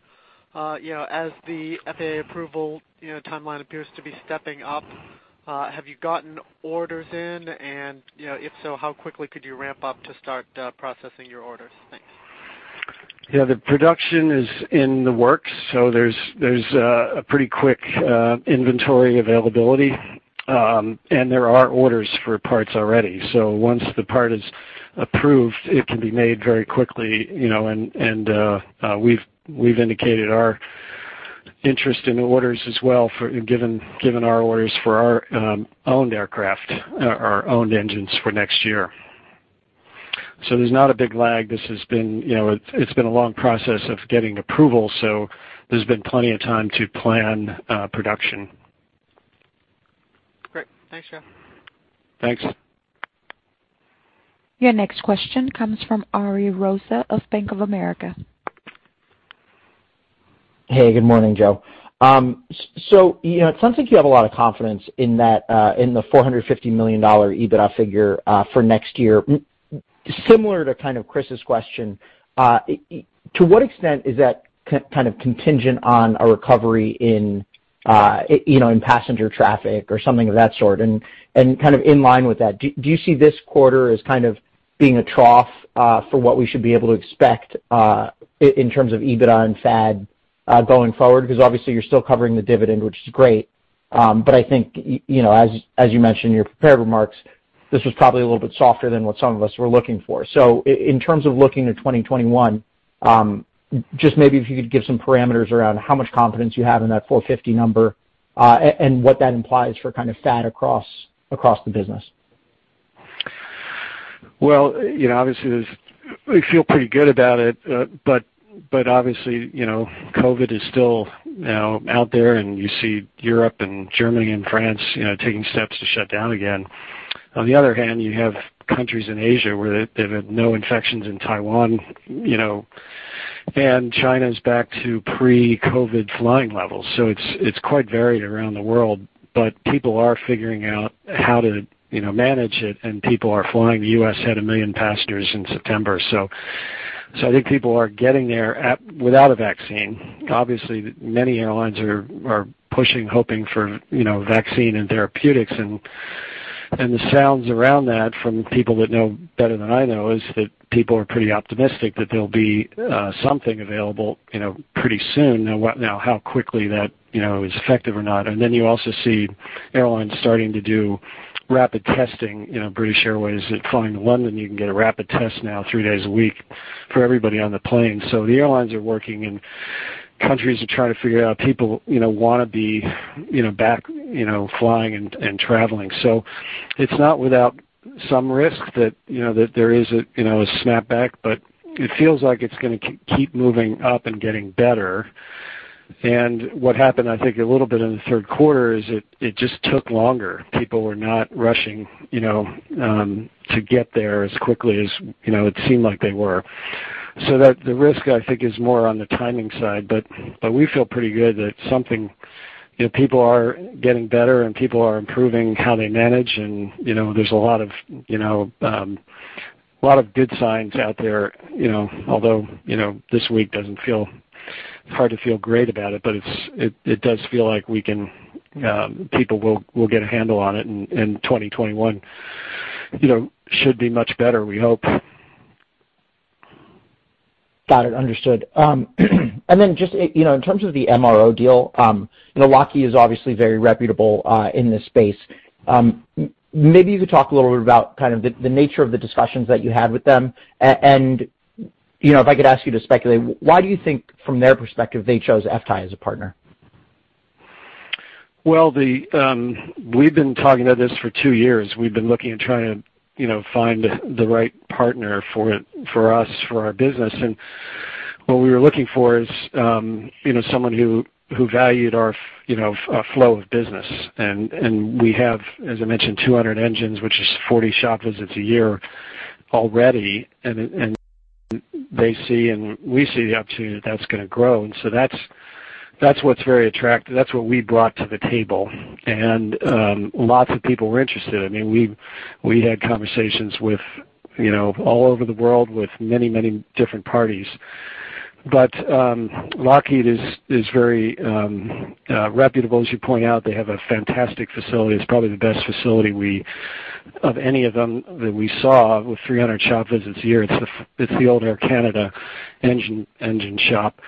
Speaker 9: as the FAA approval timeline appears to be stepping up, have you gotten orders in? And if so, how quickly could you ramp up to start processing your orders? Thanks.
Speaker 3: Yeah. The production is in the works. So there's a pretty quick inventory availability. And there are orders for parts already. So once the part is approved, it can be made very quickly. And we've indicated our interest in orders as well, given our orders for our owned aircraft, our owned engines for next year. So there's not a big lag. This has been a long process of getting approval. So there's been plenty of time to plan production.
Speaker 9: Great. Thanks, Joe.
Speaker 3: Thanks.
Speaker 1: Your next question comes from Ari Rosa of Bank of America.
Speaker 10: Hey, good morning, Joe. So it sounds like you have a lot of confidence in the $450 million EBITDA figure for next year. Similar to kind of Chris's question, to what extent is that kind of contingent on a recovery in passenger traffic or something of that sort? And kind of in line with that, do you see this quarter as kind of being a trough for what we should be able to expect in terms of EBITDA and FAD going forward? Because obviously, you're still covering the dividend, which is great. But I think, as you mentioned in your prepared remarks, this was probably a little bit softer than what some of us were looking for. So in terms of looking at 2021, just maybe if you could give some parameters around how much confidence you have in that 450 number and what that implies for kind of FAD across the business.
Speaker 3: Well, obviously, we feel pretty good about it. But obviously, COVID is still out there, and you see Europe and Germany and France taking steps to shut down again. On the other hand, you have countries in Asia where they've had no infections in Taiwan. And China is back to pre-COVID flying levels. So it's quite varied around the world. But people are figuring out how to manage it. And people are flying. The U.S. had a million passengers in September. So I think people are getting there without a vaccine. Obviously, many airlines are pushing, hoping for vaccine and therapeutics. And the sounds around that from people that know better than I know is that people are pretty optimistic that there'll be something available pretty soon. Now, how quickly that is effective or not. And then you also see airlines starting to do rapid testing. British Airways is flying to London. You can get a rapid test now three days a week for everybody on the plane. So the airlines are working, and countries are trying to figure out. People want to be back flying and traveling. So it's not without some risk that there is a snapback. But it feels like it's going to keep moving up and getting better. And what happened, I think, a little bit in the third quarter is it just took longer. People were not rushing to get there as quickly as it seemed like they were. So the risk, I think, is more on the timing side. But we feel pretty good that people are getting better, and people are improving how they manage. And there's a lot of good signs out there. Although this week doesn't feel hard to feel great about it, but it does feel like people will get a handle on it. And 2021 should be much better, we hope.
Speaker 10: Got it. Understood. And then just in terms of the MRO deal, Lockheed is obviously very reputable in this space. Maybe you could talk a little bit about kind of the nature of the discussions that you had with them. And if I could ask you to speculate, why do you think, from their perspective, they chose FTAI as a partner?
Speaker 3: Well, we've been talking about this for two years. We've been looking at trying to find the right partner for us, for our business. And what we were looking for is someone who valued our flow of business. And we have, as I mentioned, 200 engines, which is 40 shop visits a year already. And they see and we see the opportunity that that's going to grow. And so that's what's very attractive. That's what we brought to the table. And lots of people were interested. I mean, we had conversations all over the world with many, many different parties. But Lockheed is very reputable, as you point out. They have a fantastic facility. It's probably the best facility of any of them that we saw with 300 shop visits a year. It's the old Air Canada engine shop.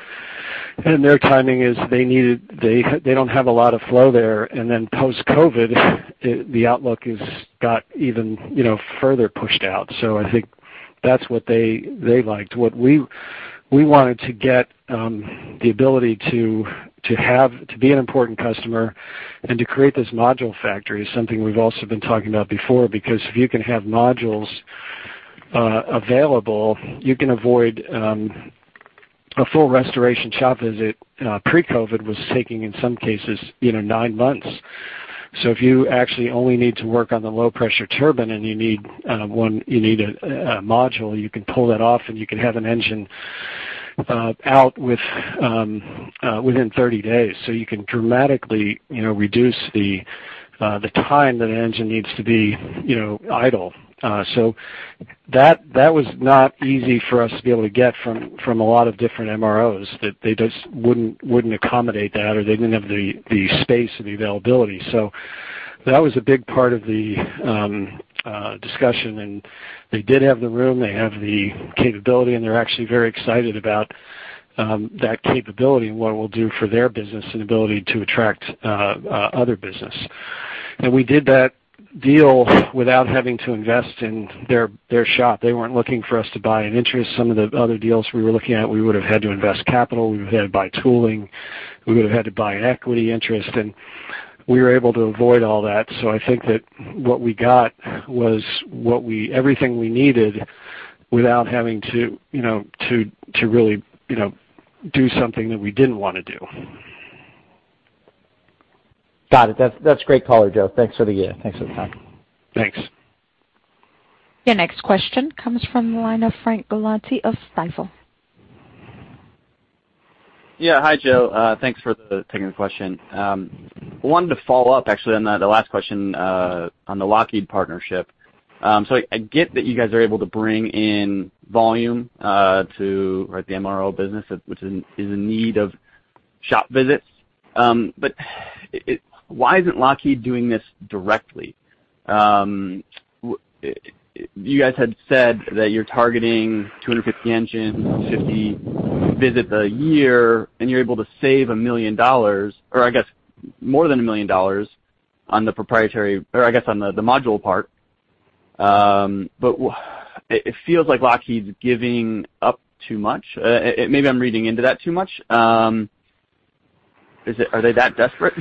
Speaker 3: And their timing is they don't have a lot of flow there. And then post-COVID, the outlook has got even further pushed out. So I think that's what they liked. What we wanted to get the ability to be an important customer and to create this module factory is something we've also been talking about before. Because if you can have modules available, you can avoid a full restoration shop visit. Pre-COVID was taking, in some cases, nine months. So if you actually only need to work on the low-pressure turbine and you need a module, you can pull that off, and you can have an engine out within 30 days. So you can dramatically reduce the time that an engine needs to be idle. So that was not easy for us to be able to get from a lot of different MROs that they just wouldn't accommodate that, or they didn't have the space and the availability. So that was a big part of the discussion. And they did have the room. They have the capability. And they're actually very excited about that capability and what it will do for their business and ability to attract other business. We did that deal without having to invest in their shop. They weren't looking for us to buy an interest. Some of the other deals we were looking at, we would have had to invest capital. We would have had to buy tooling. We would have had to buy equity interest. And we were able to avoid all that. So I think that what we got was everything we needed without having to really do something that we didn't want to do.
Speaker 10: Got it. That's great, color, Joe. Thanks for the time.
Speaker 3: Thanks.
Speaker 1: Your next question comes from the line of Frank Galanti of Stifel.
Speaker 11: Yeah. Hi, Joe. Thanks for taking the question. I wanted to follow up, actually, on the last question on the Lockheed partnership. I get that you guys are able to bring in volume to the MRO business, which is in need of shop visits. But why isn't Lockheed doing this directly? You guys had said that you're targeting 250 engines, 50 visits a year, and you're able to save $1 million, or I guess more than $1 million on the proprietary, or I guess on the module part. But it feels like Lockheed's giving up too much. Maybe I'm reading into that too much. Are they that desperate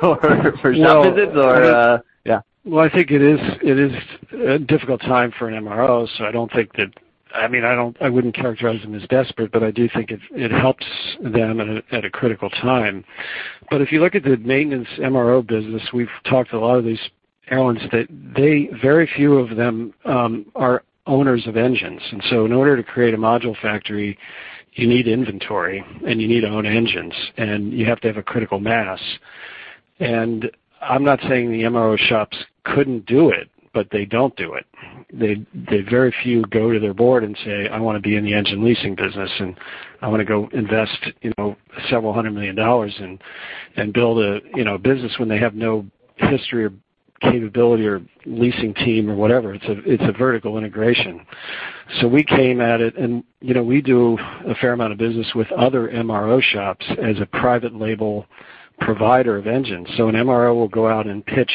Speaker 11: for shop visits or yeah?
Speaker 3: Well, I think it is a difficult time for an MRO. So I don't think that I mean, I wouldn't characterize them as desperate, but I do think it helps them at a critical time. But if you look at the maintenance MRO business, we've talked to a lot of these airlines that very few of them are owners of engines. And so in order to create a module factory, you need inventory, and you need to own engines, and you have to have a critical mass. And I'm not saying the MRO shops couldn't do it, but they don't do it. Very few go to their board and say, "I want to be in the engine leasing business, and I want to go invest several hundred million dollars and build a business," when they have no history or capability or leasing team or whatever. It's a vertical integration. So we came at it, and we do a fair amount of business with other MRO shops as a private label provider of engines. So an MRO will go out and pitch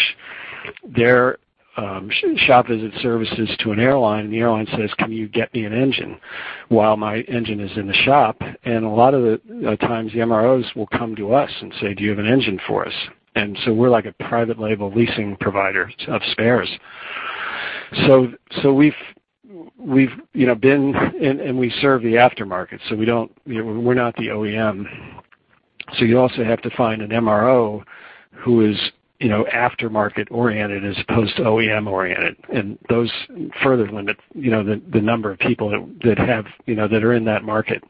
Speaker 3: their shop visit services to an airline, and the airline says, "Can you get me an engine while my engine is in the shop?" And a lot of the times, the MROs will come to us and say, "Do you have an engine for us?" And so we're like a private label leasing provider of spares. So we've been and we serve the aftermarket. So we're not the OEM. So you also have to find an MRO who is aftermarket oriented as opposed to OEM oriented. And those further limit the number of people that have that are in that market.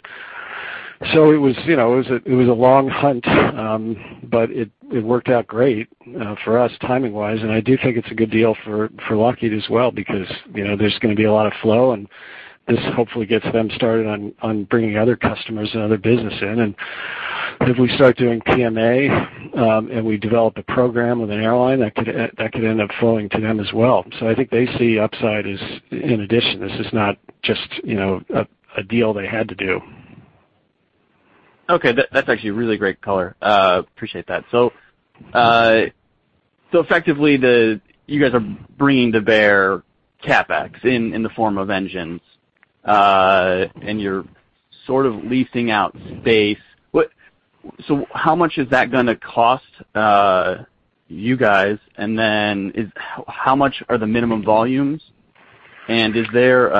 Speaker 3: So it was a long hunt, but it worked out great for us timing-wise. And I do think it's a good deal for Lockheed as well because there's going to be a lot of flow, and this hopefully gets them started on bringing other customers and other business in. And if we start doing PMA and we develop a program with an airline, that could end up flowing to them as well. So I think they see upside in addition. This is not just a deal they had to do.
Speaker 11: Okay. That's actually a really great color. Appreciate that. So effectively, you guys are bringing to bear CapEx in the form of engines, and you're sort of leasing out space. So how much is that going to cost you guys? And then how much are the minimum volumes? And is there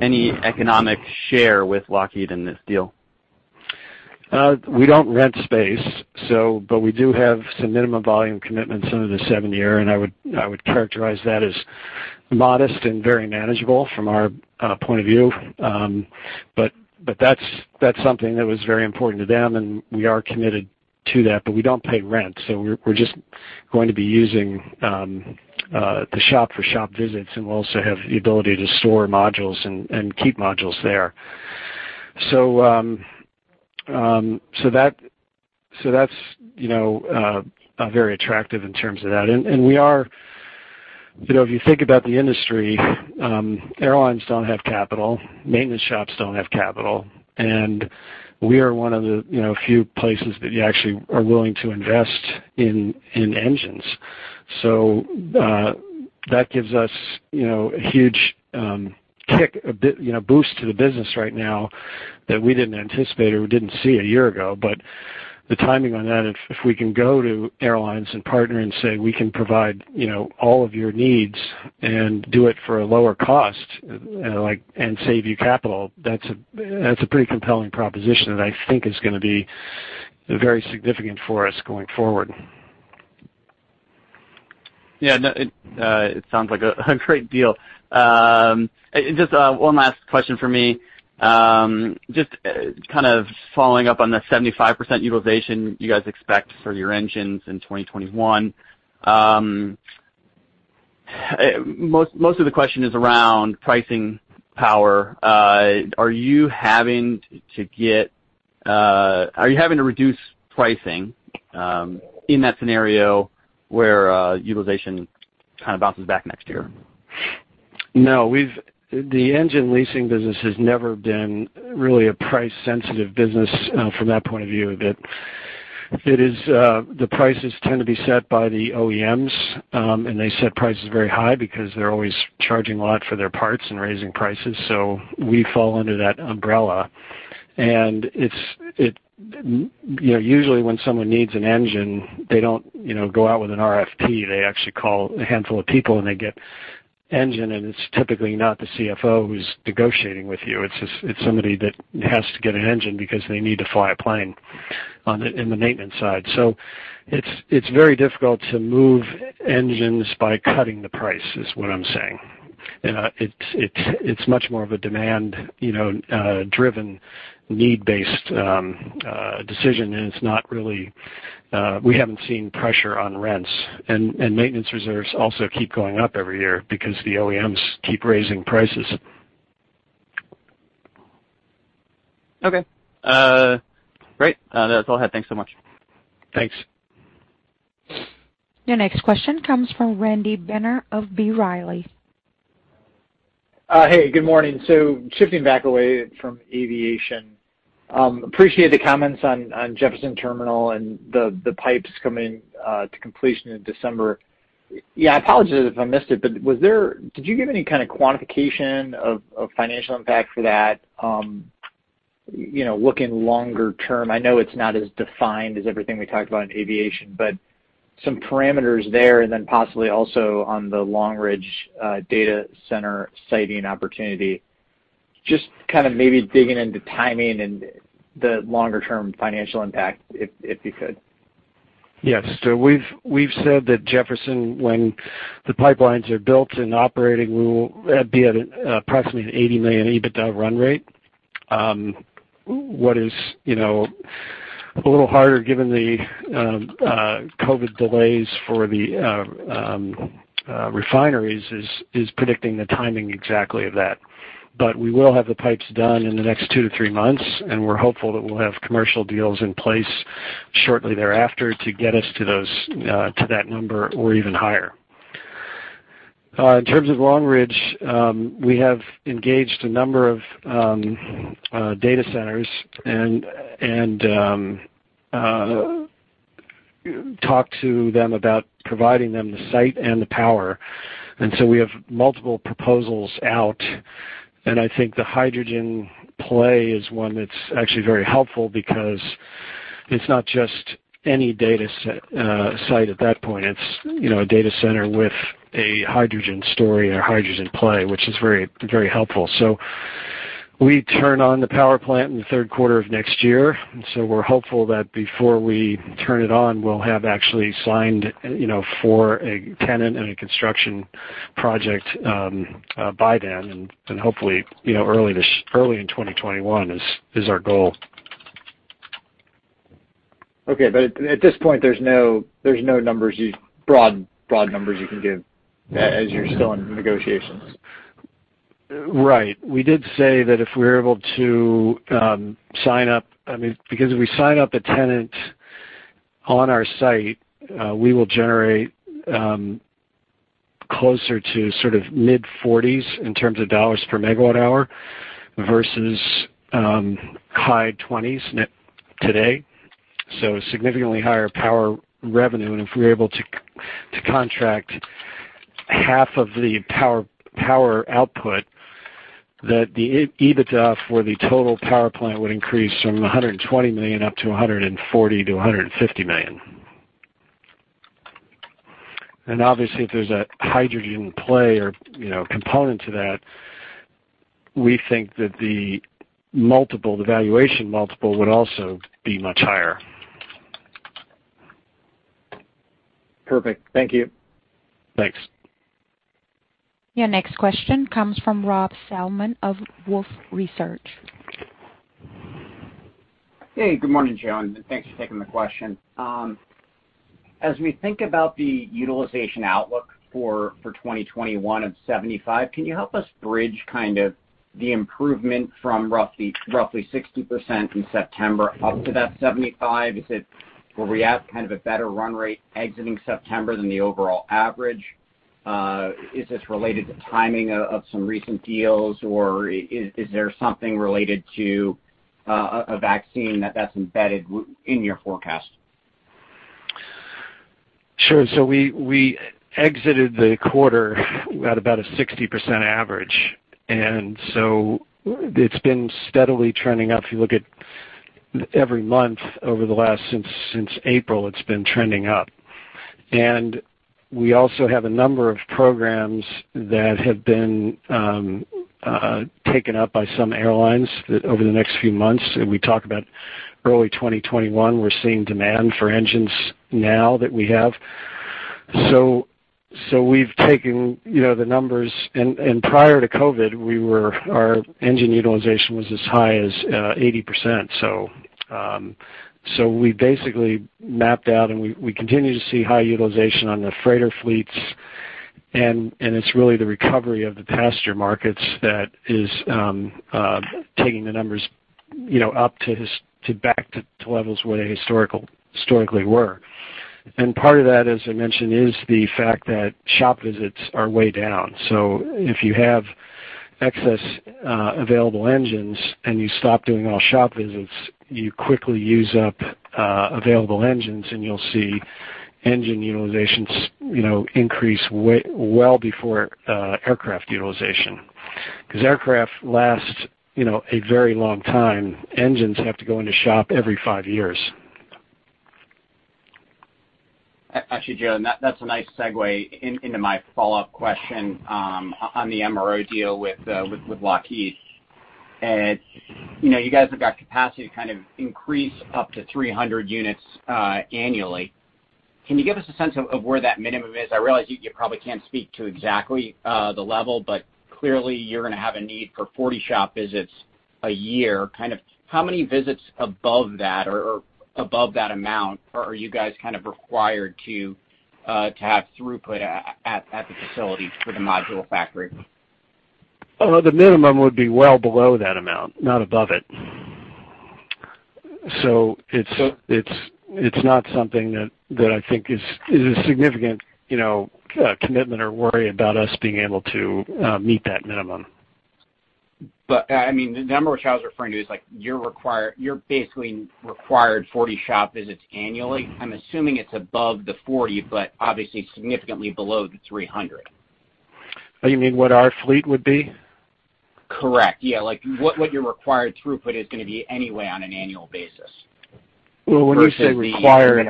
Speaker 11: any economic share with Lockheed in this deal?
Speaker 3: We don't rent space, but we do have some minimum volume commitments under the seven-year. I would characterize that as modest and very manageable from our point of view. That's something that was very important to them, and we are committed to that. We don't pay rent. We're just going to be using the shop for shop visits, and we'll also have the ability to store modules and keep modules there. That's very attractive in terms of that. We are, if you think about the industry, airlines don't have capital. Maintenance shops don't have capital. We are one of the few places that actually are willing to invest in engines. That gives us a huge kick, a boost to the business right now that we didn't anticipate or we didn't see a year ago. But the timing on that, if we can go to airlines and partner and say, "We can provide all of your needs and do it for a lower cost and save you capital," that's a pretty compelling proposition that I think is going to be very significant for us going forward.
Speaker 11: Yeah. It sounds like a great deal. Just one last question for me. Just kind of following up on the 75% utilization you guys expect for your engines in 2021. Most of the question is around pricing power. Are you having to reduce pricing in that scenario where utilization kind of bounces back next year?
Speaker 3: No. The engine leasing business has never been really a price-sensitive business from that point of view. The prices tend to be set by the OEMs, and they set prices very high because they're always charging a lot for their parts and raising prices. So we fall under that umbrella. And usually, when someone needs an engine, they don't go out with an RFP. They actually call a handful of people, and they get an engine. And it's typically not the CFO who's negotiating with you. It's somebody that has to get an engine because they need to fly a plane on the maintenance side. So it's very difficult to move engines by cutting the price, is what I'm saying. It's much more of a demand-driven, need-based decision. And it's not really. We haven't seen pressure on rents. And maintenance reserves also keep going up every year because the OEMs keep raising prices.
Speaker 11: Okay. Great. That's all I had. Thanks so much.
Speaker 3: Thanks.
Speaker 1: Your next question comes from Randy Binner of B. Riley.
Speaker 12: Hey. Good morning. So shifting back away from aviation. Appreciate the comments on Jefferson Terminal and the pipes coming to completion in December. Yeah. I apologize if I missed it, but did you give any kind of quantification of financial impact for that, looking longer term? I know it's not as defined as everything we talked about in aviation, but some parameters there and then possibly also on the Long Ridge data center siting opportunity. Just kind of maybe digging into timing and the longer-term financial impact if you could.
Speaker 3: Yes. So we've said that Jefferson, when the pipelines are built and operating, we will be at approximately a $80 million EBITDA run rate. What is a little harder given the COVID delays for the refineries is predicting the timing exactly of that. But we will have the pipes done in the next two to three months, and we're hopeful that we'll have commercial deals in place shortly thereafter to get us to that number or even higher. In terms of Long Ridge, we have engaged a number of data centers and talked to them about providing them the site and the power. And so we have multiple proposals out. And I think the hydrogen play is one that's actually very helpful because it's not just any data site at that point. It's a data center with a hydrogen story or hydrogen play, which is very helpful. So we turn on the power plant in the third quarter of next year. And so we're hopeful that before we turn it on, we'll have actually signed for a tenant and a construction project by then. And hopefully, early in 2021 is our goal.
Speaker 12: Okay. But at this point, there's no numbers, broad numbers you can give as you're still in negotiations.
Speaker 3: Right. We did say that if we're able to sign up, I mean, because if we sign up a tenant on our site, we will generate closer to sort of mid-40s in terms of dollars per megawatt hour versus high 20s today. So significantly higher power revenue. And if we're able to contract half of the power output, that the EBITDA for the total power plant would increase from $120 million up to $140 million-$150 million. And obviously, if there's a hydrogen play or component to that, we think that the valuation multiple would also be much higher.
Speaker 12: Perfect. Thank you.
Speaker 3: Thanks.
Speaker 1: Your next question comes from Rob Salmon of Wolfe Research.
Speaker 13: Hey. Good morning, Joe. And thanks for taking the question. As we think about the utilization outlook for 2021 of 75%, can you help us bridge kind of the improvement from roughly 60% in September up to that 75%? Is it where we have kind of a better run rate exiting September than the overall average? Is this related to timing of some recent deals, or is there something related to a vaccine that's embedded in your forecast?
Speaker 3: Sure, so we exited the quarter at about a 60% average, and so it's been steadily trending up. If you look at every month over the last since April, it's been trending up, and we also have a number of programs that have been taken up by some airlines over the next few months, and we talk about early 2021. We're seeing demand for engines now that we have, so we've taken the numbers. Prior to COVID, our engine utilization was as high as 80%. So we basically mapped out, and we continue to see high utilization on the freighter fleets. And it's really the recovery of the passenger markets that is taking the numbers up to back to levels where they historically were. And part of that, as I mentioned, is the fact that shop visits are way down. So if you have excess available engines and you stop doing all shop visits, you quickly use up available engines, and you'll see engine utilization increase well before aircraft utilization. Because aircraft last a very long time. Engines have to go into shop every five years.
Speaker 13: Actually, Joe, that's a nice segue into my follow-up question on the MRO deal with Lockheed. You guys have got capacity to kind of increase up to 300 units annually. Can you give us a sense of where that minimum is? I realize you probably can't speak to exactly the level, but clearly, you're going to have a need for 40 shop visits a year. Kind of how many visits above that or above that amount are you guys kind of required to have throughput at the facility for the module factory?
Speaker 3: The minimum would be well below that amount, not above it. So it's not something that I think is a significant commitment or worry about us being able to meet that minimum.
Speaker 13: But I mean, the number which I was referring to is you're basically required 40 shop visits annually. I'm assuming it's above the 40, but obviously significantly below the 300.
Speaker 3: You mean what our fleet would be?
Speaker 13: Correct. Yeah. What your required throughput is going to be anyway on an annual basis.
Speaker 3: Well, when you say required.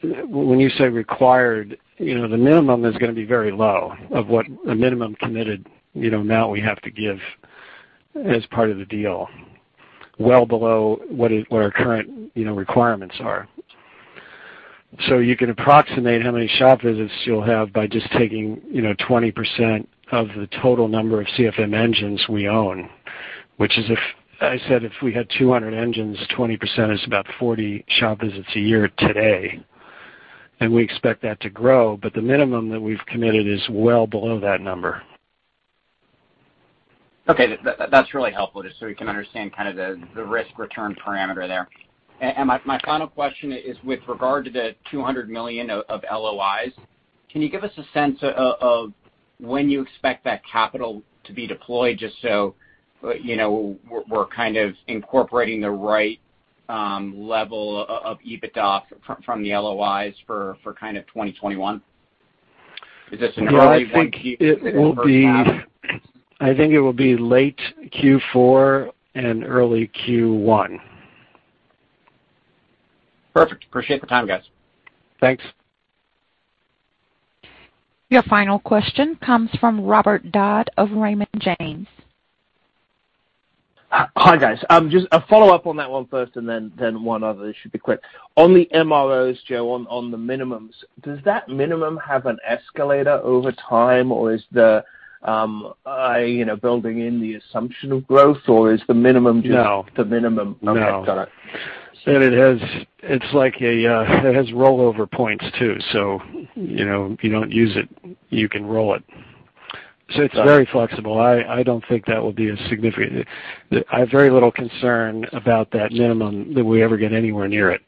Speaker 3: When you say required, the minimum is going to be very low of what a minimum committed amount we have to give as part of the deal, well below what our current requirements are. So you can approximate how many shop visits you'll have by just taking 20% of the total number of CFM engines we own, which is, as I said, if we had 200 engines, 20% is about 40 shop visits a year today. And we expect that to grow. But the minimum that we've committed is well below that number.
Speaker 13: Okay. That's really helpful just so we can understand kind of the risk-return parameter there. My final question is with regard to the $200 million of LOIs. Can you give us a sense of when you expect that capital to be deployed just so we're kind of incorporating the right level of EBITDA from the LOIs for kind of 2021? Is this an early Q4?
Speaker 3: I think it will be late Q4 and early Q1.
Speaker 13: Perfect. Appreciate the time, guys.
Speaker 3: Thanks.
Speaker 1: Your final question comes from Robert Dodd of Raymond James.
Speaker 14: Hi, guys. Just a follow-up on that one first and then one other. This should be quick. On the MROs, Joe, on the minimums, does that minimum have an escalator over time, or is the building in the assumption of growth, or is the minimum just the minimum? No. Okay. Got it.
Speaker 3: And it has a rollover points too. So you don't use it. You can roll it. So it's very flexible. I don't think that will be a significant. I have very little concern about that, minimum that we ever get anywhere near it.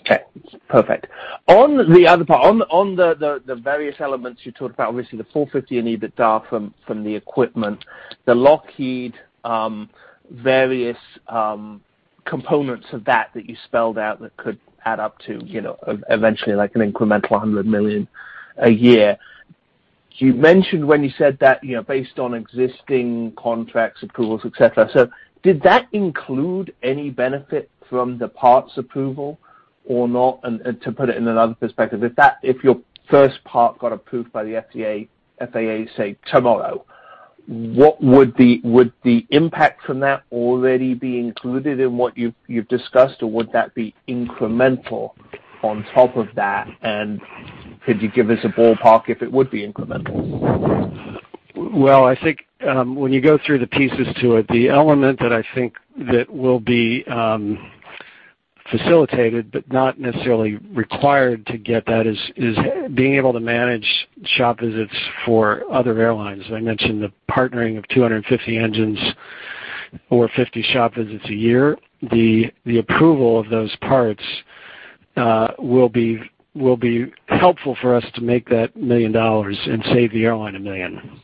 Speaker 14: Okay. Perfect. On the other part, on the various elements you talked about, obviously the $450 million and EBITDA from the equipment, the Lockheed Martin various components of that you spelled out that could add up to eventually an incremental $100 million a year. You mentioned when you said that based on existing contracts, approvals, etc. So did that include any benefit from the parts approval or not? And to put it in another perspective, if your first part got approved by the FAA, say, tomorrow, would the impact from that already be included in what you've discussed, or would that be incremental on top of that? And could you give us a ballpark if it would be incremental?
Speaker 3: I think when you go through the pieces to it, the element that I think that will be facilitated but not necessarily required to get that is being able to manage shop visits for other airlines. I mentioned the partnering of V2500 engines or 50 shop visits a year. The approval of those parts will be helpful for us to make that $1 million and save the airline $1 million.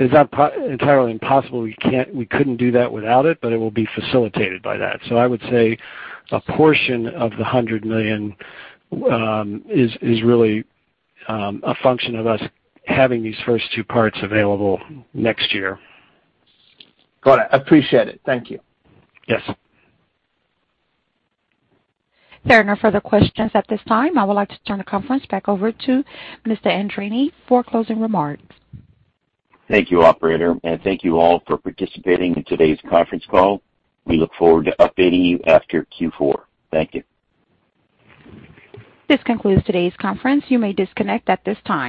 Speaker 3: It's not entirely impossible. We couldn't do that without it, but it will be facilitated by that. I would say a portion of the $100 million is really a function of us having these first two parts available next year.
Speaker 14: Got it. Appreciate it. Thank you.
Speaker 3: Yes.
Speaker 1: There are no further questions at this time. I would like to turn the conference back over to Mr. Andreini for closing remarks.
Speaker 2: Thank you, Operator. Thank you all for participating in today's conference call. We look forward to updating you after Q4. Thank you.
Speaker 1: This concludes today's conference. You may disconnect at this time.